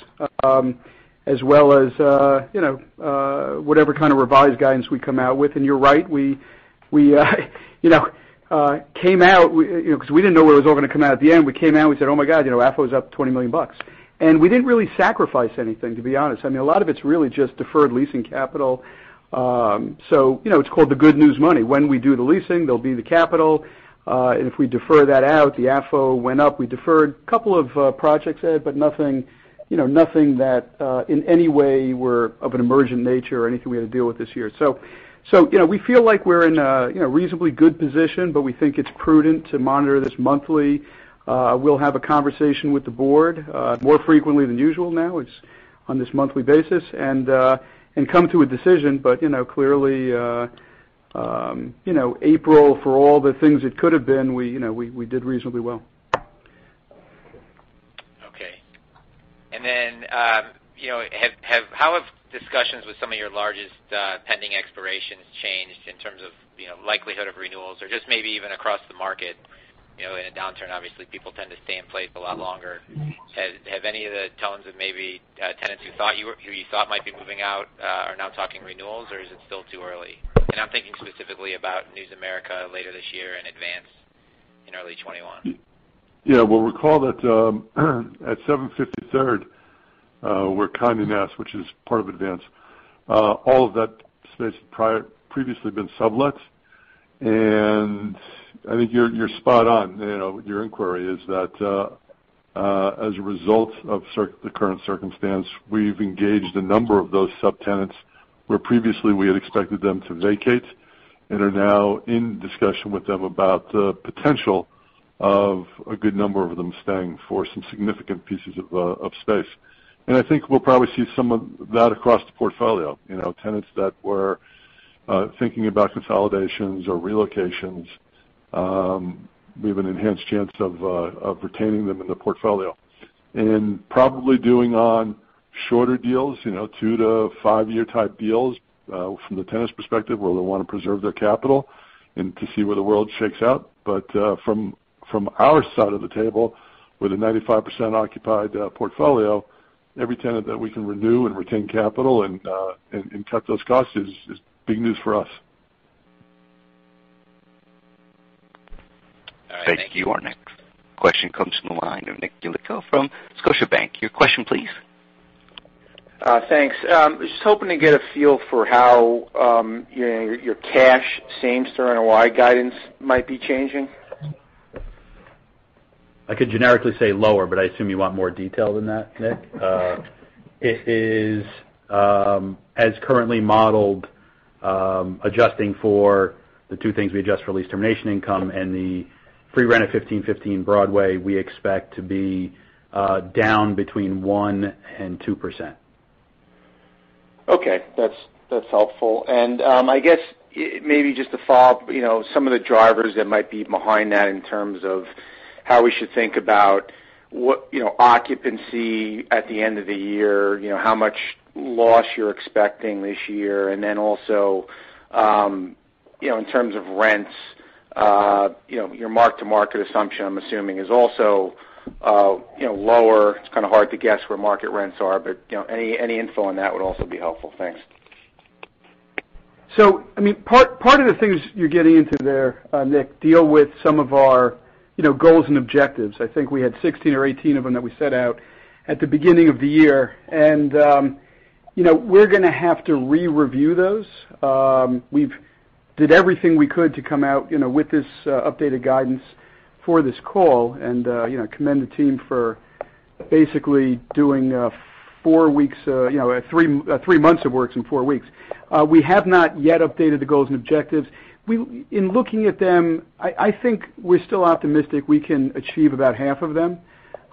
as well as whatever kind of revised guidance we come out with. You're right, we came out, because we didn't know where it was all going to come out at the end. We came out, we said, "Oh my God, AFFO's up $20 million." We didn't really sacrifice anything, to be honest. I mean, a lot of it's really just deferred leasing capital. It's called the good news money. When we do the leasing, there'll be the capital. If we defer that out, the AFFO went up. We deferred a couple of projects, Ed, nothing that in any way were of an emergent nature or anything we had to deal with this year. We feel like we're in a reasonably good position, but we think it's prudent to monitor this monthly. We'll have a conversation with the board, more frequently than usual now, on this monthly basis, and come to a decision. Clearly, April, for all the things it could have been, we did reasonably well. How have discussions with some of your largest pending expirations changed in terms of likelihood of renewals? Or just maybe even across the market, in a downturn, obviously people tend to stay in place a lot longer. Have any of the tones of maybe tenants who you thought might be moving out are now talking renewals, or is it still too early? And I'm thinking specifically about News America later this year and Advance in early 2021. Yeah. We'll recall that, at 750 Third, where Condé Nast, which is part of Advance, all of that space had previously been sublet. I think you're spot on. Your inquiry is that, as a result of the current circumstance, we've engaged a number of those subtenants, where previously we had expected them to vacate, and are now in discussion with them about the potential of a good number of them staying for some significant pieces of space. I think we'll probably see some of that across the portfolio. Tenants that were thinking about consolidations or relocations, we have an enhanced chance of retaining them in the portfolio. Probably doing on shorter deals, 2-to-5-year type deals, from the tenant's perspective, where they'll want to preserve their capital and to see where the world shakes out. From our side of the table, with a 95% occupied portfolio, every tenant that we can renew and retain capital and cut those costs is big news for us. All right. Thank you. Thank you. Our next question comes from the line of Nick Yulico from Scotiabank. Your question, please. Thanks. I was just hoping to get a feel for how your cash same store NOI guidance might be changing. I could generically say lower, but I assume you want more detail than that, Nick. As currently modeled, adjusting for the two things we adjust, lease termination income and the free rent at 1515 Broadway, we expect to be down between 1% and 2%. Okay. That's helpful. I guess maybe just to follow up, some of the drivers that might be behind that in terms of how we should think about occupancy at the end of the year, how much loss you're expecting this year, and then also, in terms of rents, your mark-to-market assumption, I'm assuming, is also lower. It's kind of hard to guess where market rents are, but any info on that would also be helpful. Thanks. Part of the things you're getting into there, Nick, deal with some of our goals and objectives. I think we had 16 or 18 of them that we set out at the beginning of the year. We're going to have to re-review those. We've did everything we could to come out with this updated guidance for this call, and I commend the team for basically doing three months of works in four weeks. We have not yet updated the goals and objectives. In looking at them, I think we're still optimistic we can achieve about half of them.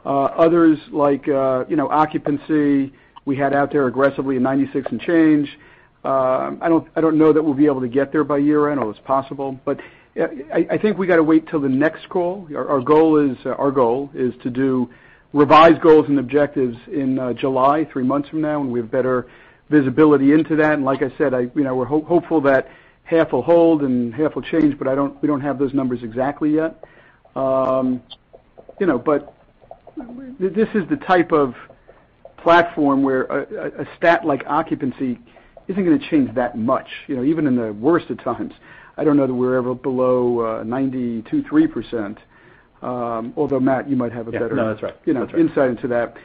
Others like occupancy, we had out there aggressively at 96% and change. I don't know that we'll be able to get there by year-end, although it's possible. I think we've got to wait till the next call. Our goal is to do revised goals and objectives in July, three months from now, when we have better visibility into that. Like I said, we're hopeful that half will hold and half will change, but we don't have those numbers exactly yet. This is the type of platform where a stat like occupancy isn't going to change that much, even in the worst of times. I don't know that we're ever below 92, 3%, although Matt, you might have a better. Yeah. No, that's right. insight into that.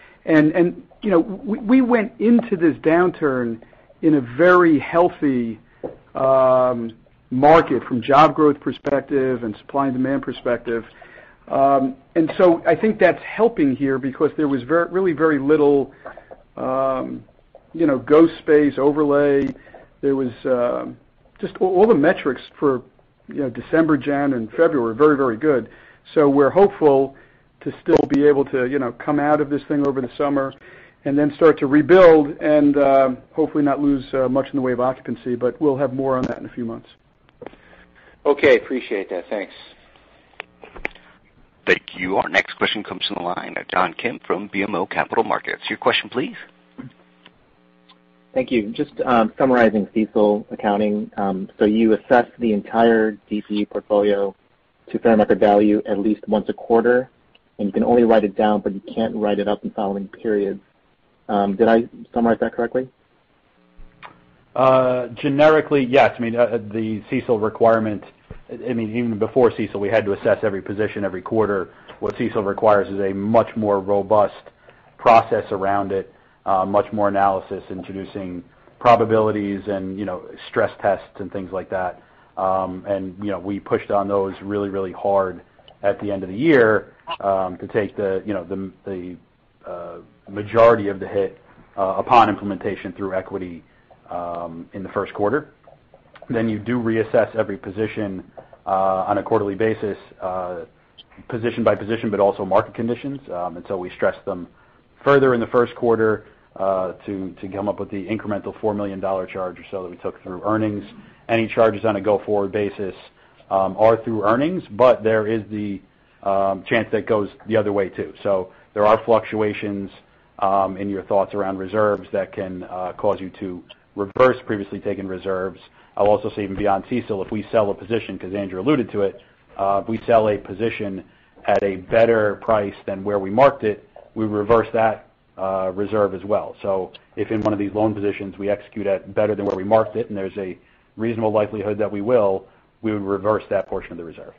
We went into this downturn in a very healthy market from job growth perspective and supply and demand perspective. I think that's helping here because there was really very little ghost space overlay. Just all the metrics for December, January, and February were very, very good. We're hopeful to still be able to come out of this thing over the summer and then start to rebuild and hopefully not lose much in the way of occupancy, but we'll have more on that in a few months. Okay. Appreciate that. Thanks. Thank you. Our next question comes from the line of John Kim from BMO Capital Markets. Your question, please. Thank you. Just summarizing CECL accounting. You assess the entire DPE portfolio to fair market value at least once a quarter, and you can only write it down, but you can't write it up in following periods. Did I summarize that correctly? Generically, yes. The CECL requirement, even before CECL, we had to assess every position every quarter. What CECL requires is a much more robust process around it, much more analysis, introducing probabilities and stress tests and things like that. We pushed on those really, really hard at the end of the year to take the majority of the hit upon implementation through equity in the first quarter. You do reassess every position on a quarterly basis, position by position, but also market conditions. We stress them further in the first quarter to come up with the incremental $4 million charge or so that we took through earnings. Any charges on a go-forward basis, or through earnings, but there is the chance that it goes the other way too. There are fluctuations in your thoughts around reserves that can cause you to reverse previously taken reserves. I'll also say even beyond CECL, if we sell a position, because Andrew alluded to it, if we sell a position at a better price than where we marked it, we reverse that reserve as well. If in one of these loan positions, we execute at better than where we marked it, and there's a reasonable likelihood that we will, we would reverse that portion of the reserve.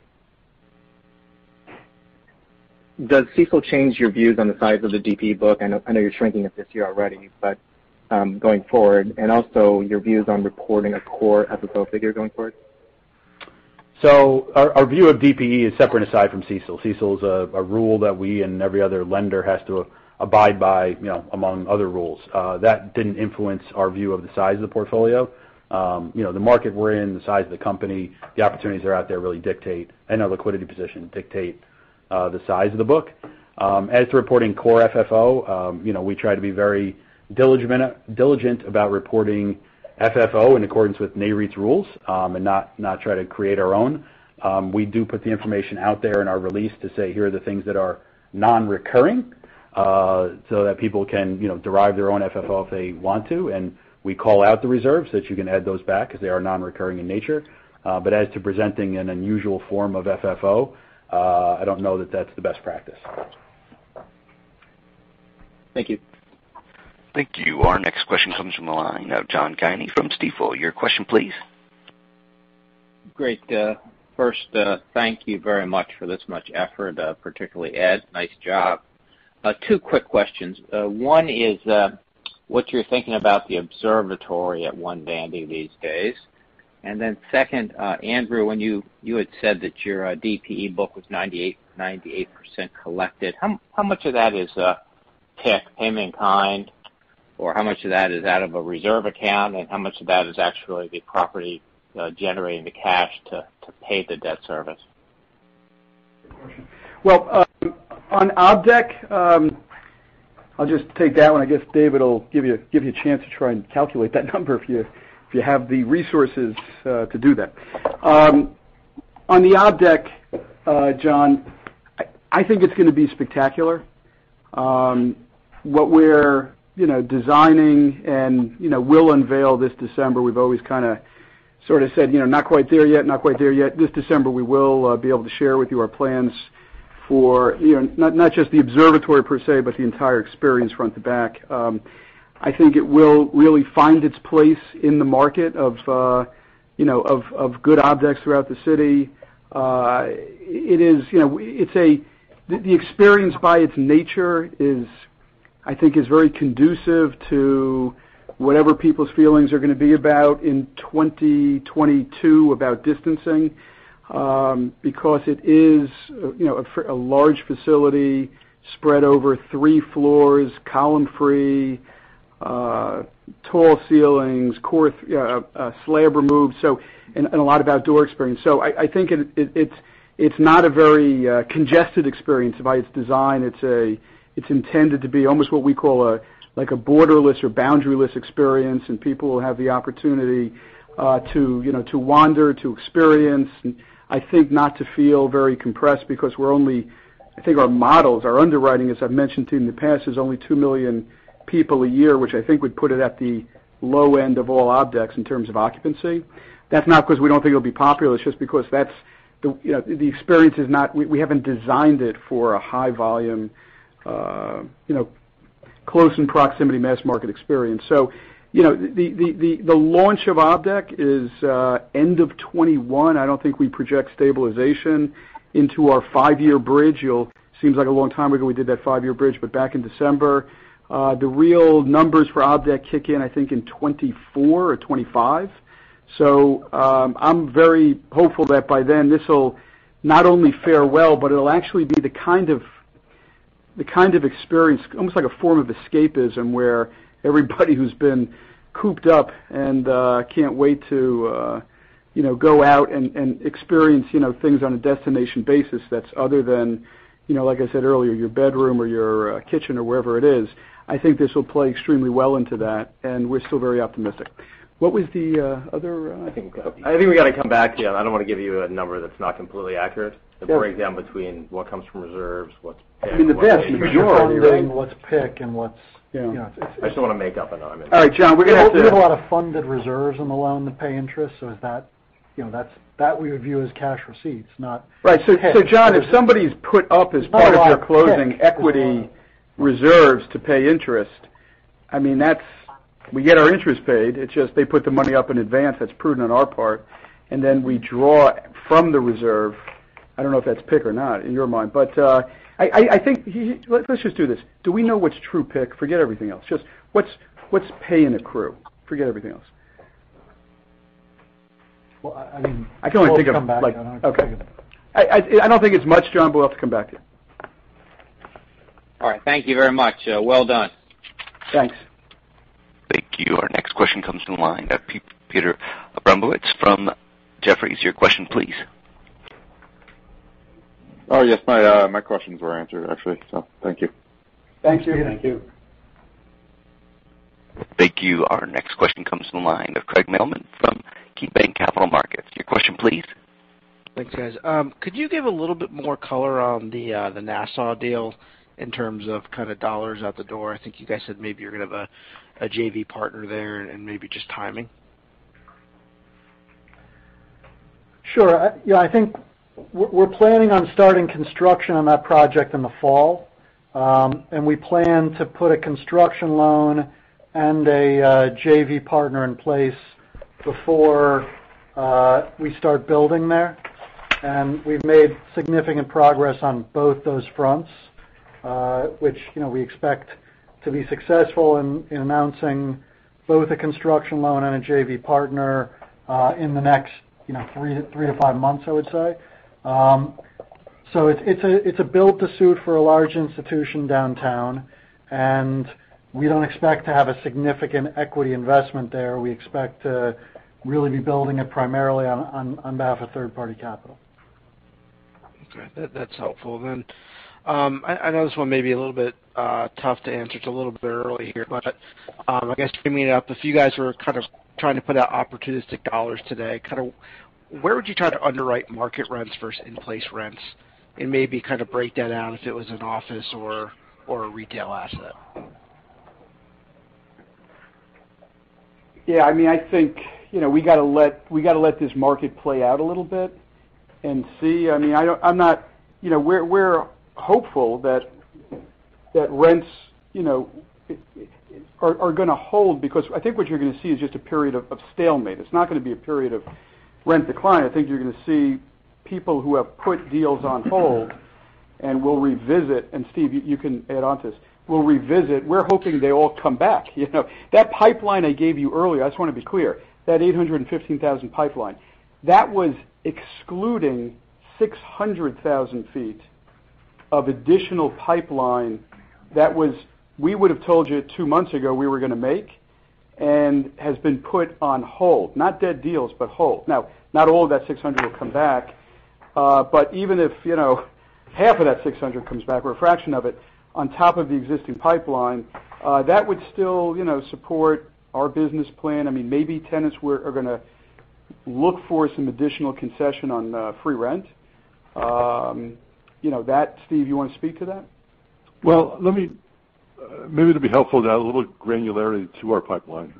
Does CECL change your views on the size of the DPE book, also your views on reporting a core FFO figure going forward? I know you're shrinking it this year already, but going forward. Our view of DPE is separate and aside from CECL. CECL is a rule that we and every other lender has to abide by among other rules. That didn't influence our view of the size of the portfolio. The market we're in, the size of the company, the opportunities that are out there, and our liquidity position dictate the size of the book. As to reporting core FFO, we try to be very diligent about reporting FFO in accordance with Nareit's rules, and not try to create our own. We do put the information out there in our release to say, here are the things that are non-recurring, so that people can derive their own FFO if they want to. We call out the reserves that you can add those back as they are non-recurring in nature. As to presenting an unusual form of FFO, I don't know that that's the best practice. Thank you. Thank you. Our next question comes from the line of John Guinee from Stifel. Your question please. Great. First, thank you very much for this much effort, particularly Ed. Nice job. Two quick questions. One is, what you're thinking about the observatory at One Vanderbilt these days. Second, Andrew, when you had said that your DPE book was 98% collected, how much of that is PIK, payment in kind, or how much of that is out of a reserve account, and how much of that is actually the property generating the cash to pay the debt service? Good question. Well, on Obs Deck, I'll just take that one. I guess David will give you a chance to try and calculate that number if you have the resources to do that. On the Obs Deck, John, I think it's going to be spectacular. What we're designing and we'll unveil this December, we've always kind of sort of said, not quite there yet. This December, we will be able to share with you our plans for not just the observatory per se, but the entire experience front to back. I think it will really find its place in the market of good attractions throughout the city. The experience by its nature, I think is very conducive to whatever people's feelings are going to be about in 2022 about distancing, because it is a large facility spread over three floors, column free, tall ceilings, slab removed, and a lot of outdoor experience. I think it's not a very congested experience by its design. It's intended to be almost what we call a borderless or boundaryless experience, and people will have the opportunity to wander, to experience, and I think not to feel very compressed because we're only, I think our models, our underwriting, as I've mentioned to you in the past, is only 2 million people a year, which I think would put it at the low end of all Obs Decks in terms of occupancy. That's not because we don't think it'll be popular, it's just because we haven't designed it for a high volume close in proximity mass market experience. The launch of Obs Deck is end of 2021. I don't think we project stabilization into our five-year bridge. Seems like a long time ago we did that five-year bridge, but back in December. The real numbers for Obs Deck kick in, I think in 2024 or 2025. I'm very hopeful that by then, this'll not only fare well, but it'll actually be the kind of experience, almost like a form of escapism, where everybody who's been cooped up and can't wait to go out and experience things on a destination basis that's other than, like I said earlier, your bedroom or your kitchen or wherever it is. I think this will play extremely well into that, and we're still very optimistic. What was the other? I think we've got to come back to you. I don't want to give you a number that's not completely accurate. The breakdown between what comes from reserves, what's PIK- I mean, the debt should be majority, right? What's PIK and what's- Yeah. I just don't want to make up a number. All right, John. We have a lot of funded reserves in the loan to pay interest. That we review as cash receipts, not. Right. John, if somebody's put up as part of their closing equity reserves to pay interest, I mean, we get our interest paid. It's just they put the money up in advance. That's prudent on our part. We draw from the reserve. I don't know if that's PIK or not in your mind. I think let's just do this. Do we know what's true PIK? Forget everything else. Just what's pay in accrual. Forget everything else. Well, I mean- I can only think of like. We'll have to come back. Okay. I don't think it's much, John, but we'll have to come back to you. All right. Thank you very much. Well done. Thanks. Thank you. Our next question comes from the line of Peter Abramowitz from Jefferies. Your question, please. Oh, yes. My questions were answered, actually. Thank you. Thank you. Thank you. Thank you. Our next question comes from the line of Craig Mailman from KeyBanc Capital Markets. Your question, please. Thanks, guys. Could you give a little bit more color on the Nassau deal in terms of dollars out the door? I think you guys said maybe you're going to have a JV partner there and maybe just timing. Sure. Yeah, I think we're planning on starting construction on that project in the fall, and we plan to put a construction loan and a JV partner in place before we start building there. We've made significant progress on both those fronts, which we expect to be successful in announcing both a construction loan and a JV partner, in the next three to five months, I would say. It's a build to suit for a large institution downtown, and we don't expect to have a significant equity investment there. We expect to really be building it primarily on behalf of third-party capital. Okay. That's helpful. I know this one may be a little bit tough to answer. It's a little bit early here, but I guess teeing it up, if you guys were kind of trying to put out opportunistic dollars today, where would you try to underwrite market rents versus in-place rents, and maybe kind of break that down if it was an office or a retail asset? Yeah, I think we got to let this market play out a little bit and see. We're hopeful that rents are going to hold because I think what you're going to see is just a period of stalemate. It's not going to be a period of rent decline. I think you're going to see people who have put deals on hold and will revisit, Steve, you can add on to this, will revisit. We're hoping they all come back. That pipeline I gave you earlier, I just want to be clear, that 815,000 pipeline, that was excluding 600,000 feet of additional pipeline that we would've told you two months ago we were going to make and has been put on hold. Not dead deals, hold. Not all of that 600 will come back. Even if half of that $600 comes back or a fraction of it on top of the existing pipeline, that would still support our business plan. Maybe tenants are going to look for some additional concession on free rent. Steve, you want to speak to that? Well, maybe it'd be helpful to add a little granularity to our pipeline.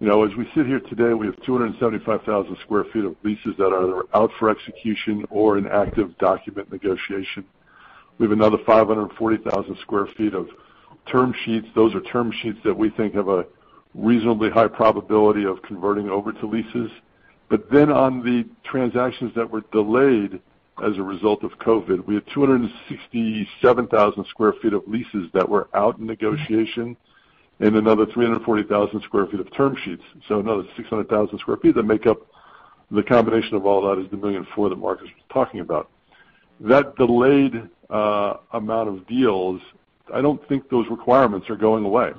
As we sit here today, we have 275,000 square feet of leases that are either out for execution or in active document negotiation. We have another 540,000 square feet of term sheets. Those are term sheets that we think have a reasonably high probability of converting over to leases. On the transactions that were delayed as a result of COVID-19, we had 267,000 square feet of leases that were out in negotiation and another 340,000 square feet of term sheets. Another 600,000 square feet that make up the combination of all that is the million-and-four that Marc was talking about. That delayed amount of deals, I don't think those requirements are going away.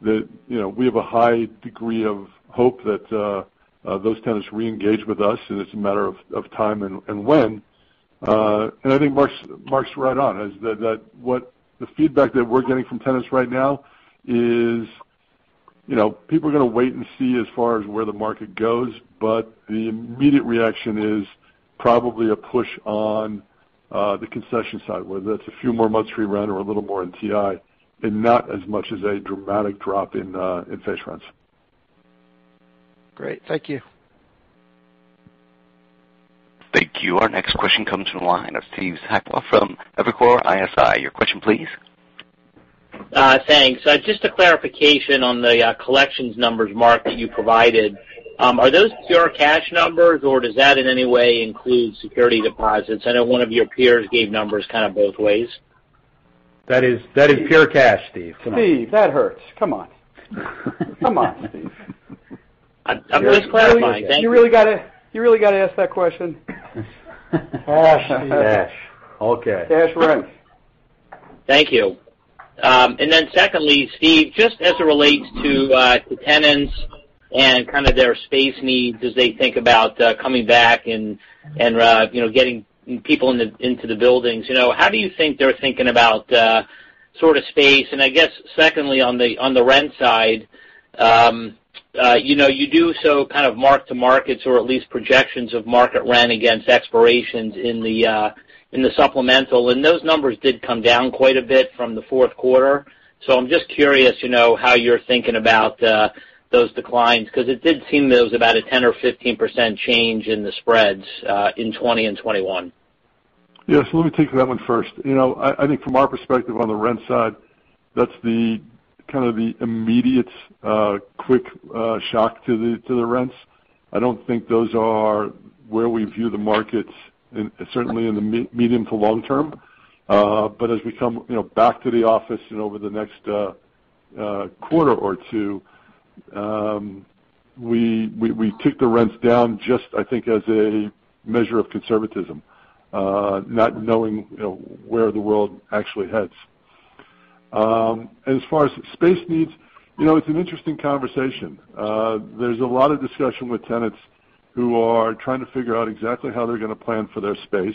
We have a high degree of hope that those tenants reengage with us, and it's a matter of time and when. I think Marc's right on, as the feedback that we're getting from tenants right now is people are gonna wait and see as far as where the market goes, but the immediate reaction is probably a push on the concession side, whether that's a few more months free rent or a little more in TI, and not as much as a dramatic drop in face rents. Great. Thank you. Thank you. Our next question comes from the line of Steve Sakwa from Evercore ISI. Your question, please. Thanks. Just a clarification on the collections numbers, Marc, that you provided. Are those pure cash numbers, or does that in any way include security deposits? I know one of your peers gave numbers kind of both ways. That is pure cash, Steve. Steve, that hurts. Come on. Come on, Steve. I'm just clarifying. Thank you. You really got to ask that question? Cash. Cash. Okay. Cash rents. Thank you. Secondly, Steve, just as it relates to tenants and kind of their space needs as they think about coming back and getting people into the buildings. How do you think they're thinking about sort of space? I guess secondly, on the rent side, you do so kind of mark-to-markets or at least projections of market rent against expirations in the supplemental, and those numbers did come down quite a bit from the fourth quarter. I'm just curious how you're thinking about those declines, because it did seem that it was about a 10% or 15% change in the spreads, in 2020 and 2021. Yes, let me take that one first. I think from our perspective on the rent side, that's kind of the immediate, quick shock to the rents. I don't think those are where we view the markets, certainly in the medium to long term. As we come back to the office over the next quarter or two, we took the rents down just, I think, as a measure of conservatism, not knowing where the world actually heads. As far as space needs, it's an interesting conversation. There's a lot of discussion with tenants who are trying to figure out exactly how they're going to plan for their space.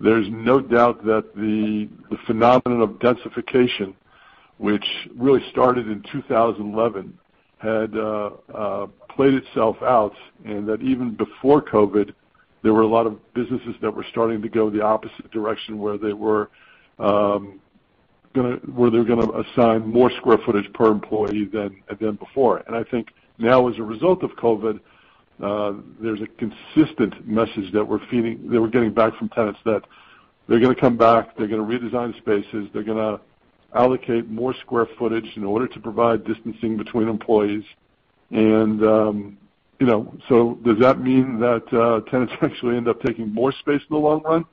There's no doubt that the phenomenon of densification, which really started in 2011, had played itself out, and that even before COVID-19, there were a lot of businesses that were starting to go the opposite direction, where they were going to assign more square footage per employee than before. I think now, as a result of COVID-19, there's a consistent message that we're getting back from tenants that they're going to come back, they're going to redesign spaces, they're going to allocate more square footage in order to provide distancing between employees. Does that mean that tenants actually end up taking more space in the long run?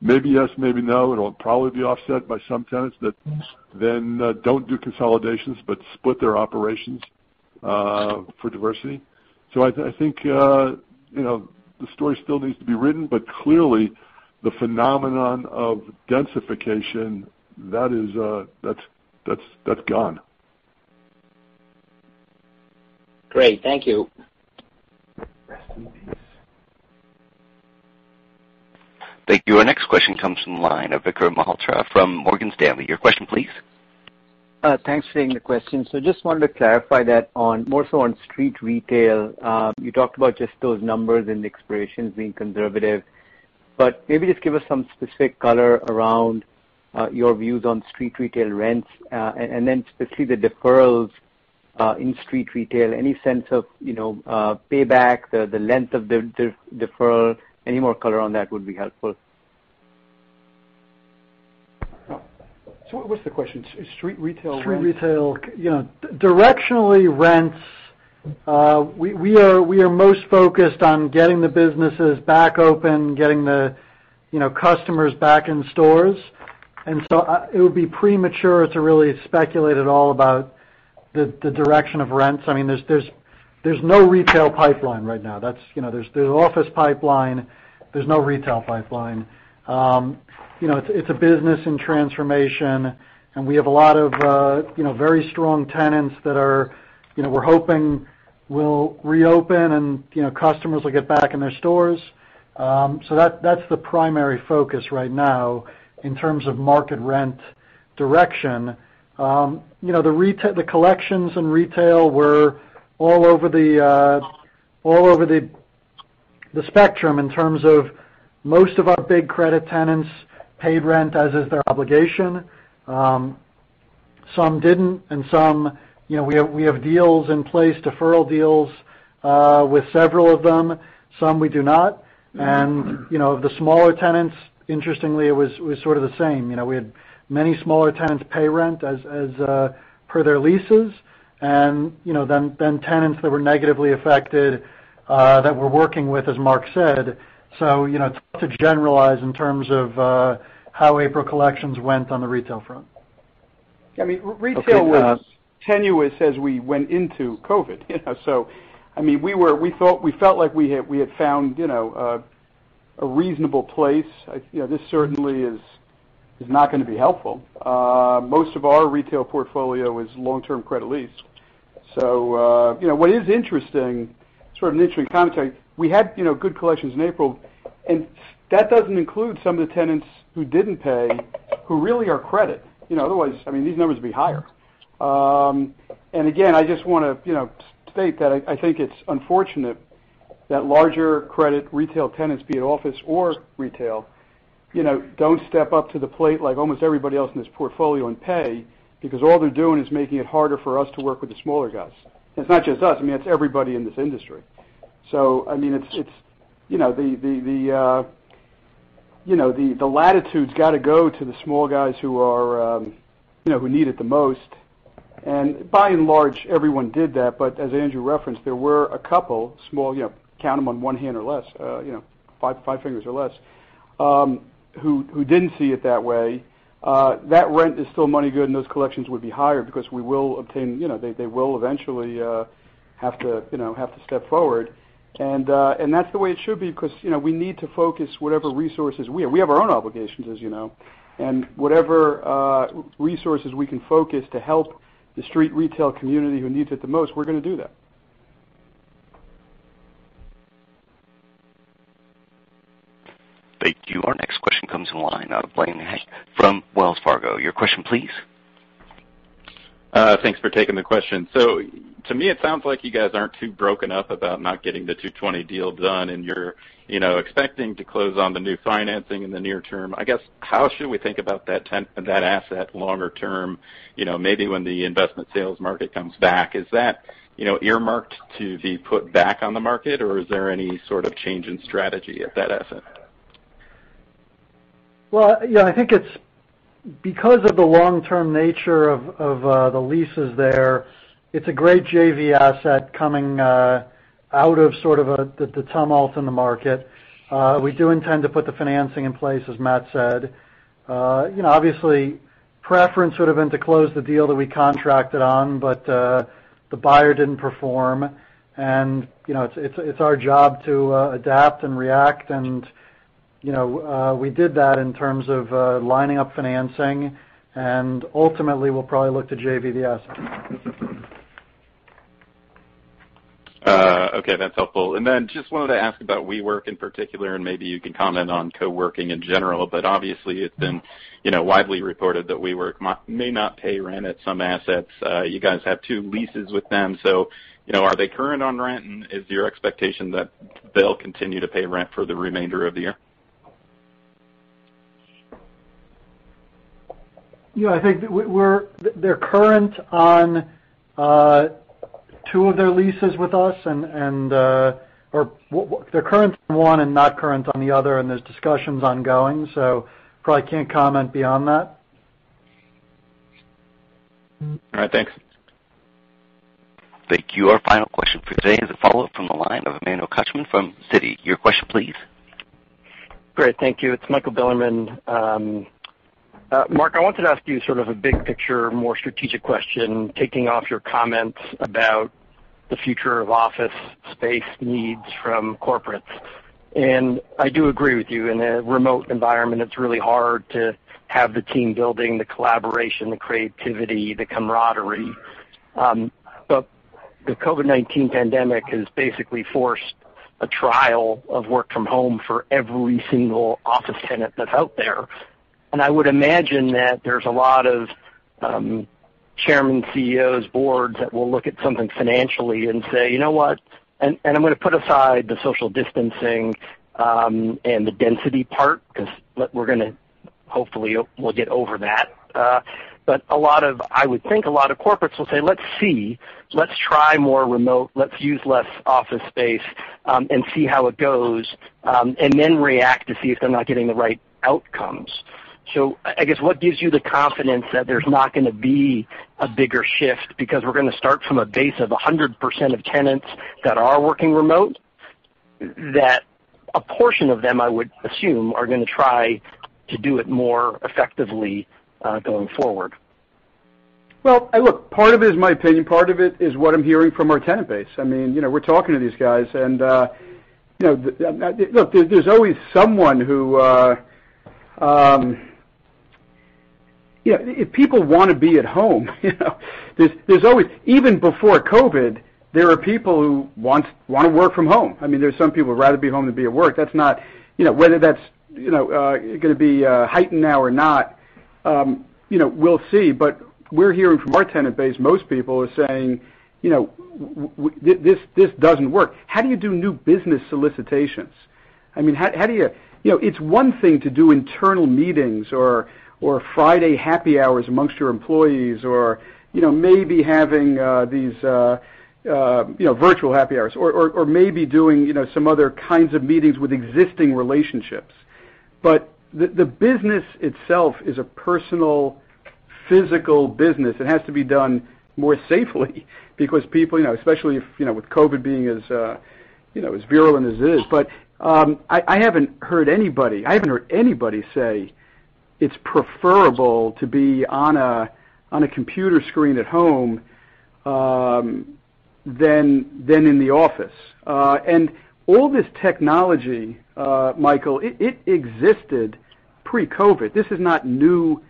Maybe yes, maybe no. It'll probably be offset by some tenants that then don't do consolidations but split their operations for diversity. I think the story still needs to be written, but clearly the phenomenon of densification, that's gone. Great. Thank you. Rest in peace. Thank you. Our next question comes from the line of Vikram Malhotra from Morgan Stanley. Your question, please. Thanks for taking the question. Just wanted to clarify that on more so on street retail. You talked about just those numbers and the expirations being conservative, but maybe just give us some specific color around your views on street retail rents, and then specifically the deferrals in street retail. Any sense of payback, the length of the deferral? Any more color on that would be helpful. What's the question? Street retail rents? Street retail. Directionally, rents, we are most focused on getting the businesses back open, getting the customers back in stores, and so it would be premature to really speculate at all about the direction of rents. There's no retail pipeline right now. There's office pipeline, there's no retail pipeline. It's a business in transformation, and we have a lot of very strong tenants that we're hoping will reopen, and customers will get back in their stores. That's the primary focus right now in terms of market rent direction. The collections in retail were all over the spectrum in terms of most of our big credit tenants paid rent as is their obligation. Some didn't, and some, we have deals in place, deferral deals, with several of them. Some we do not. The smaller tenants, interestingly, it was sort of the same. We had many smaller tenants pay rent as per their leases, and then tenants that were negatively affected, that we're working with, as Marc said. It's hard to generalize in terms of how April collections went on the retail front. Retail was tenuous as we went into COVID. We felt like we had found a reasonable place. This certainly is not going to be helpful. Most of our retail portfolio is long-term credit lease. What is interesting, sort of an interesting commentary, we had good collections in April, and that doesn't include some of the tenants who didn't pay, who really are credit. Otherwise, these numbers would be higher. Again, I just want to state that I think it's unfortunate that larger credit retail tenants, be it office or retail, don't step up to the plate like almost everybody else in this portfolio and pay, because all they're doing is making it harder for us to work with the smaller guys. It's not just us, it's everybody in this industry. The latitude's got to go to the small guys who need it the most. By and large, everyone did that, but as Andrew referenced, there were a couple, small, count them on one hand or less, five fingers or less, who didn't see it that way. That rent is still money good, and those collections will be higher because they will eventually have to step forward. That's the way it should be because we need to focus whatever resources we have. We have our own obligations, as you know, and whatever resources we can focus to help the street retail community who needs it the most, we're going to do that. Thank you. Our next question comes in line out of Blaine Heck from Wells Fargo. Your question, please. Thanks for taking the question. To me, it sounds like you guys aren't too broken up about not getting the 220 deal done, and you're expecting to close on the new financing in the near term. I guess, how should we think about that asset longer term, maybe when the investment sales market comes back? Is that earmarked to be put back on the market? Is there any sort of change in strategy of that asset? I think it's because of the long-term nature of the leases there, it's a great JV asset coming out of sort of the tumult in the market. We do intend to put the financing in place, as Matt said. Obviously, preference would've been to close the deal that we contracted on, the buyer didn't perform. It's our job to adapt and react, and we did that in terms of lining up financing. Ultimately, we'll probably look to JV the asset. Okay, that's helpful. Just wanted to ask about WeWork in particular, and maybe you can comment on co-working in general, but obviously it's been widely reported that WeWork may not pay rent at some assets. You guys have two leases with them. Are they current on rent? Is your expectation that they'll continue to pay rent for the remainder of the year? Yeah, I think they're current on two of their leases with us. They're current on one and not current on the other, and there's discussions ongoing, so probably can't comment beyond that. All right, thanks. Thank you. Our final question for today is a follow-up from the line of Emmanuel Korchman from Citi. Your question, please. Great. Thank you. It's Michael Bilerman. Marc, I wanted to ask you sort of a big-picture, more strategic question, taking off your comments about the future of office space needs from corporates. I do agree with you. In a remote environment, it's really hard to have the team-building, the collaboration, the creativity, the camaraderie. The COVID-19 pandemic has basically forced a trial of work-from-home for every single office tenant that's out there. I would imagine that there's a lot of chairman, CEOs, boards that will look at something financially and say, "You know what." I'm going to put aside the social distancing and the density part, because we're going to hopefully will get over that. I would think a lot of corporates will say, "Let's see. Let's try more remote. Let's use less office space and see how it goes, and then react to see if they're not getting the right outcomes." I guess what gives you the confidence that there's not going to be a bigger shift? We're going to start from a base of 100% of tenants that are working remote, that a portion of them, I would assume, are going to try to do it more effectively going forward. Well, look, part of it is my opinion. Part of it is what I'm hearing from our tenant base. We're talking to these guys. Look, If people want to be at home, even before COVID-19, there are people who want to work from home. There's some people who'd rather be home than be at work. Whether that's going to be heightened now or not, we'll see. We're hearing from our tenant base, most people are saying, "This doesn't work." How do you do new business solicitations? It's one thing to do internal meetings or Friday happy hours amongst your employees, or maybe having these virtual happy hours, or maybe doing some other kinds of meetings with existing relationships. The business itself is a personal, physical business. It has to be done more safely because people, especially with COVID-19 being as virulent as it is. I haven't heard anybody say it's preferable to be on a computer screen at home than in the office. All this technology, Michael, it existed pre-COVID-19. This is not new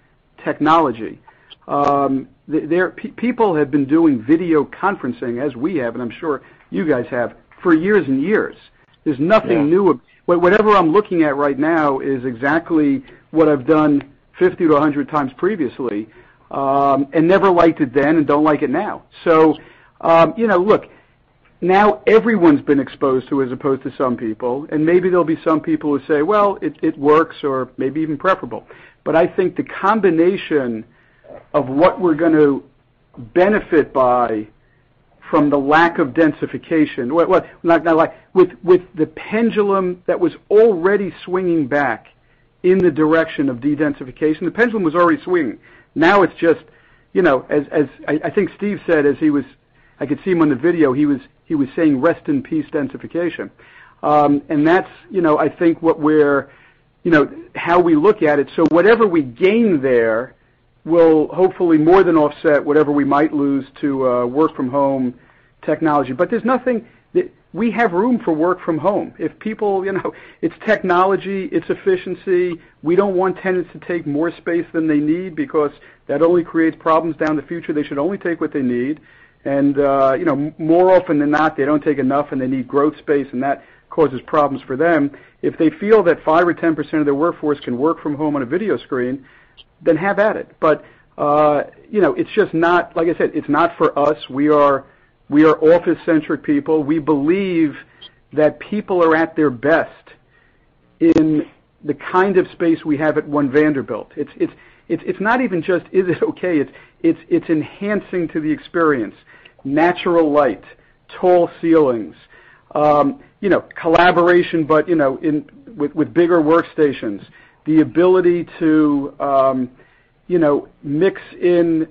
technology. People have been doing video conferencing, as we have, and I'm sure you guys have, for years and years. There's nothing new. Whatever I'm looking at right now is exactly what I've done 50x to 100x previously, and never liked it then and don't like it now. Look, now everyone's been exposed to, as opposed to some people, and maybe there'll be some people who say, "Well, it works," or maybe even preferable. I think the combination of what we're going to benefit by from the lack of densification. With the pendulum that was already swinging back in the direction of de-densification. The pendulum was already swinging. Now it's just, I think Steve said as he was, I could see him on the video, he was saying, "Rest in peace, densification." That's I think how we look at it. Whatever we gain there will hopefully more than offset whatever we might lose to work-from-home technology. We have room for work from home. It's technology. It's efficiency. We don't want tenants to take more space than they need because that only creates problems down the future. They should only take what they need. More often than not, they don't take enough, and they need growth space, and that causes problems for them. If they feel that 5% or 10% of their workforce can work from home on a video screen, then have at it. Like I said, it's not for us. We are office-centric people. We believe that people are at their best in the kind of space we have at One Vanderbilt. It's not even just, is it okay? It's enhancing to the experience. Natural light, tall ceilings, collaboration, but with bigger workstations. The ability to mix in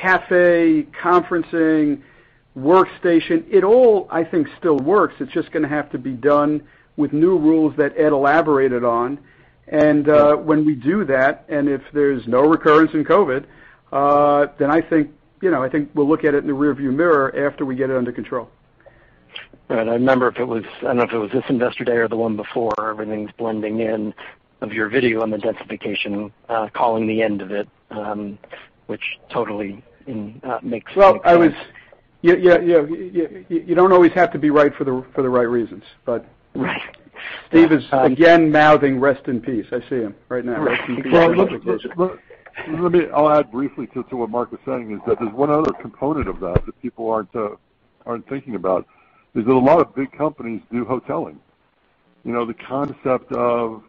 cafe, conferencing, workstation. It all, I think, still works. It's just going to have to be done with new rules that Ed elaborated on. When we do that, and if there's no recurrence in COVID, then I think we'll look at it in the rearview mirror after we get it under control. Right. I remember, I don't know if it was this investor day or the one before, everything's blending in, of your video on the densification, calling the end of it, which totally makes sense. Well, you don't always have to be right for the right reasons, but. Right. Steve is again mouthing, "Rest in peace." I see him right now. Rest in peace. Well, I'll add briefly to what Marc was saying, is that there's one other component of that people aren't thinking about, is that a lot of big companies do hoteling. The concept of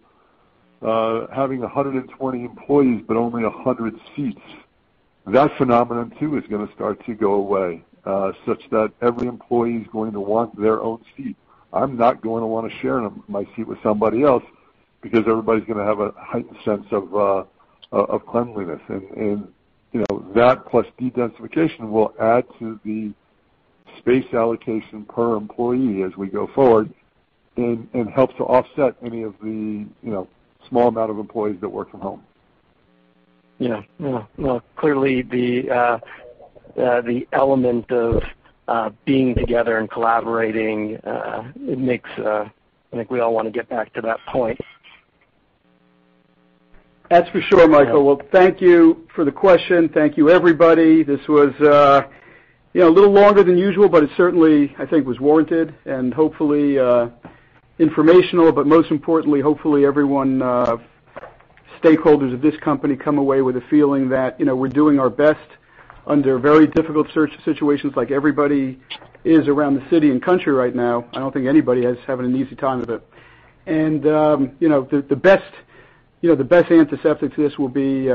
having 120 employees but only 100 seats. That phenomenon too, is going to start to go away, such that every employee is going to want their own seat. I'm not going to want to share my seat with somebody else because everybody's going to have a heightened sense of cleanliness. That plus de-densification will add to the space allocation per employee as we go forward and helps to offset any of the small amount of employees that work from home. Yeah. Clearly the element of being together and collaborating, I think we all want to get back to that point. That's for sure, Michael. Well, thank you for the question. Thank you, everybody. This was a little longer than usual, but it certainly, I think, was warranted and hopefully informational, but most importantly, hopefully everyone, stakeholders of this company, come away with a feeling that we're doing our best under very difficult situations like everybody is around the city and country right now. I don't think anybody is having an easy time of it. The best antiseptic to this will be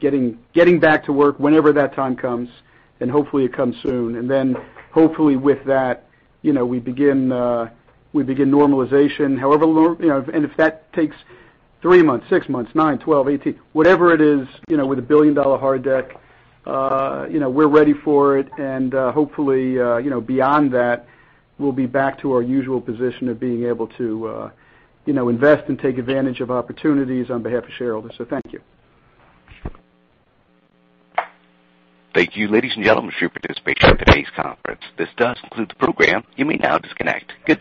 getting back to work whenever that time comes, and hopefully it comes soon. Hopefully with that, we begin normalization. If that takes three months, six months, nine, 12, 18, whatever it is, with a $1 billion hard deck, we're ready for it. Hopefully, beyond that, we'll be back to our usual position of being able to invest and take advantage of opportunities on behalf of shareholders. Thank you. Thank you, ladies and gentlemen, for your participation in today's conference. This does conclude the program. You may now disconnect. Good day.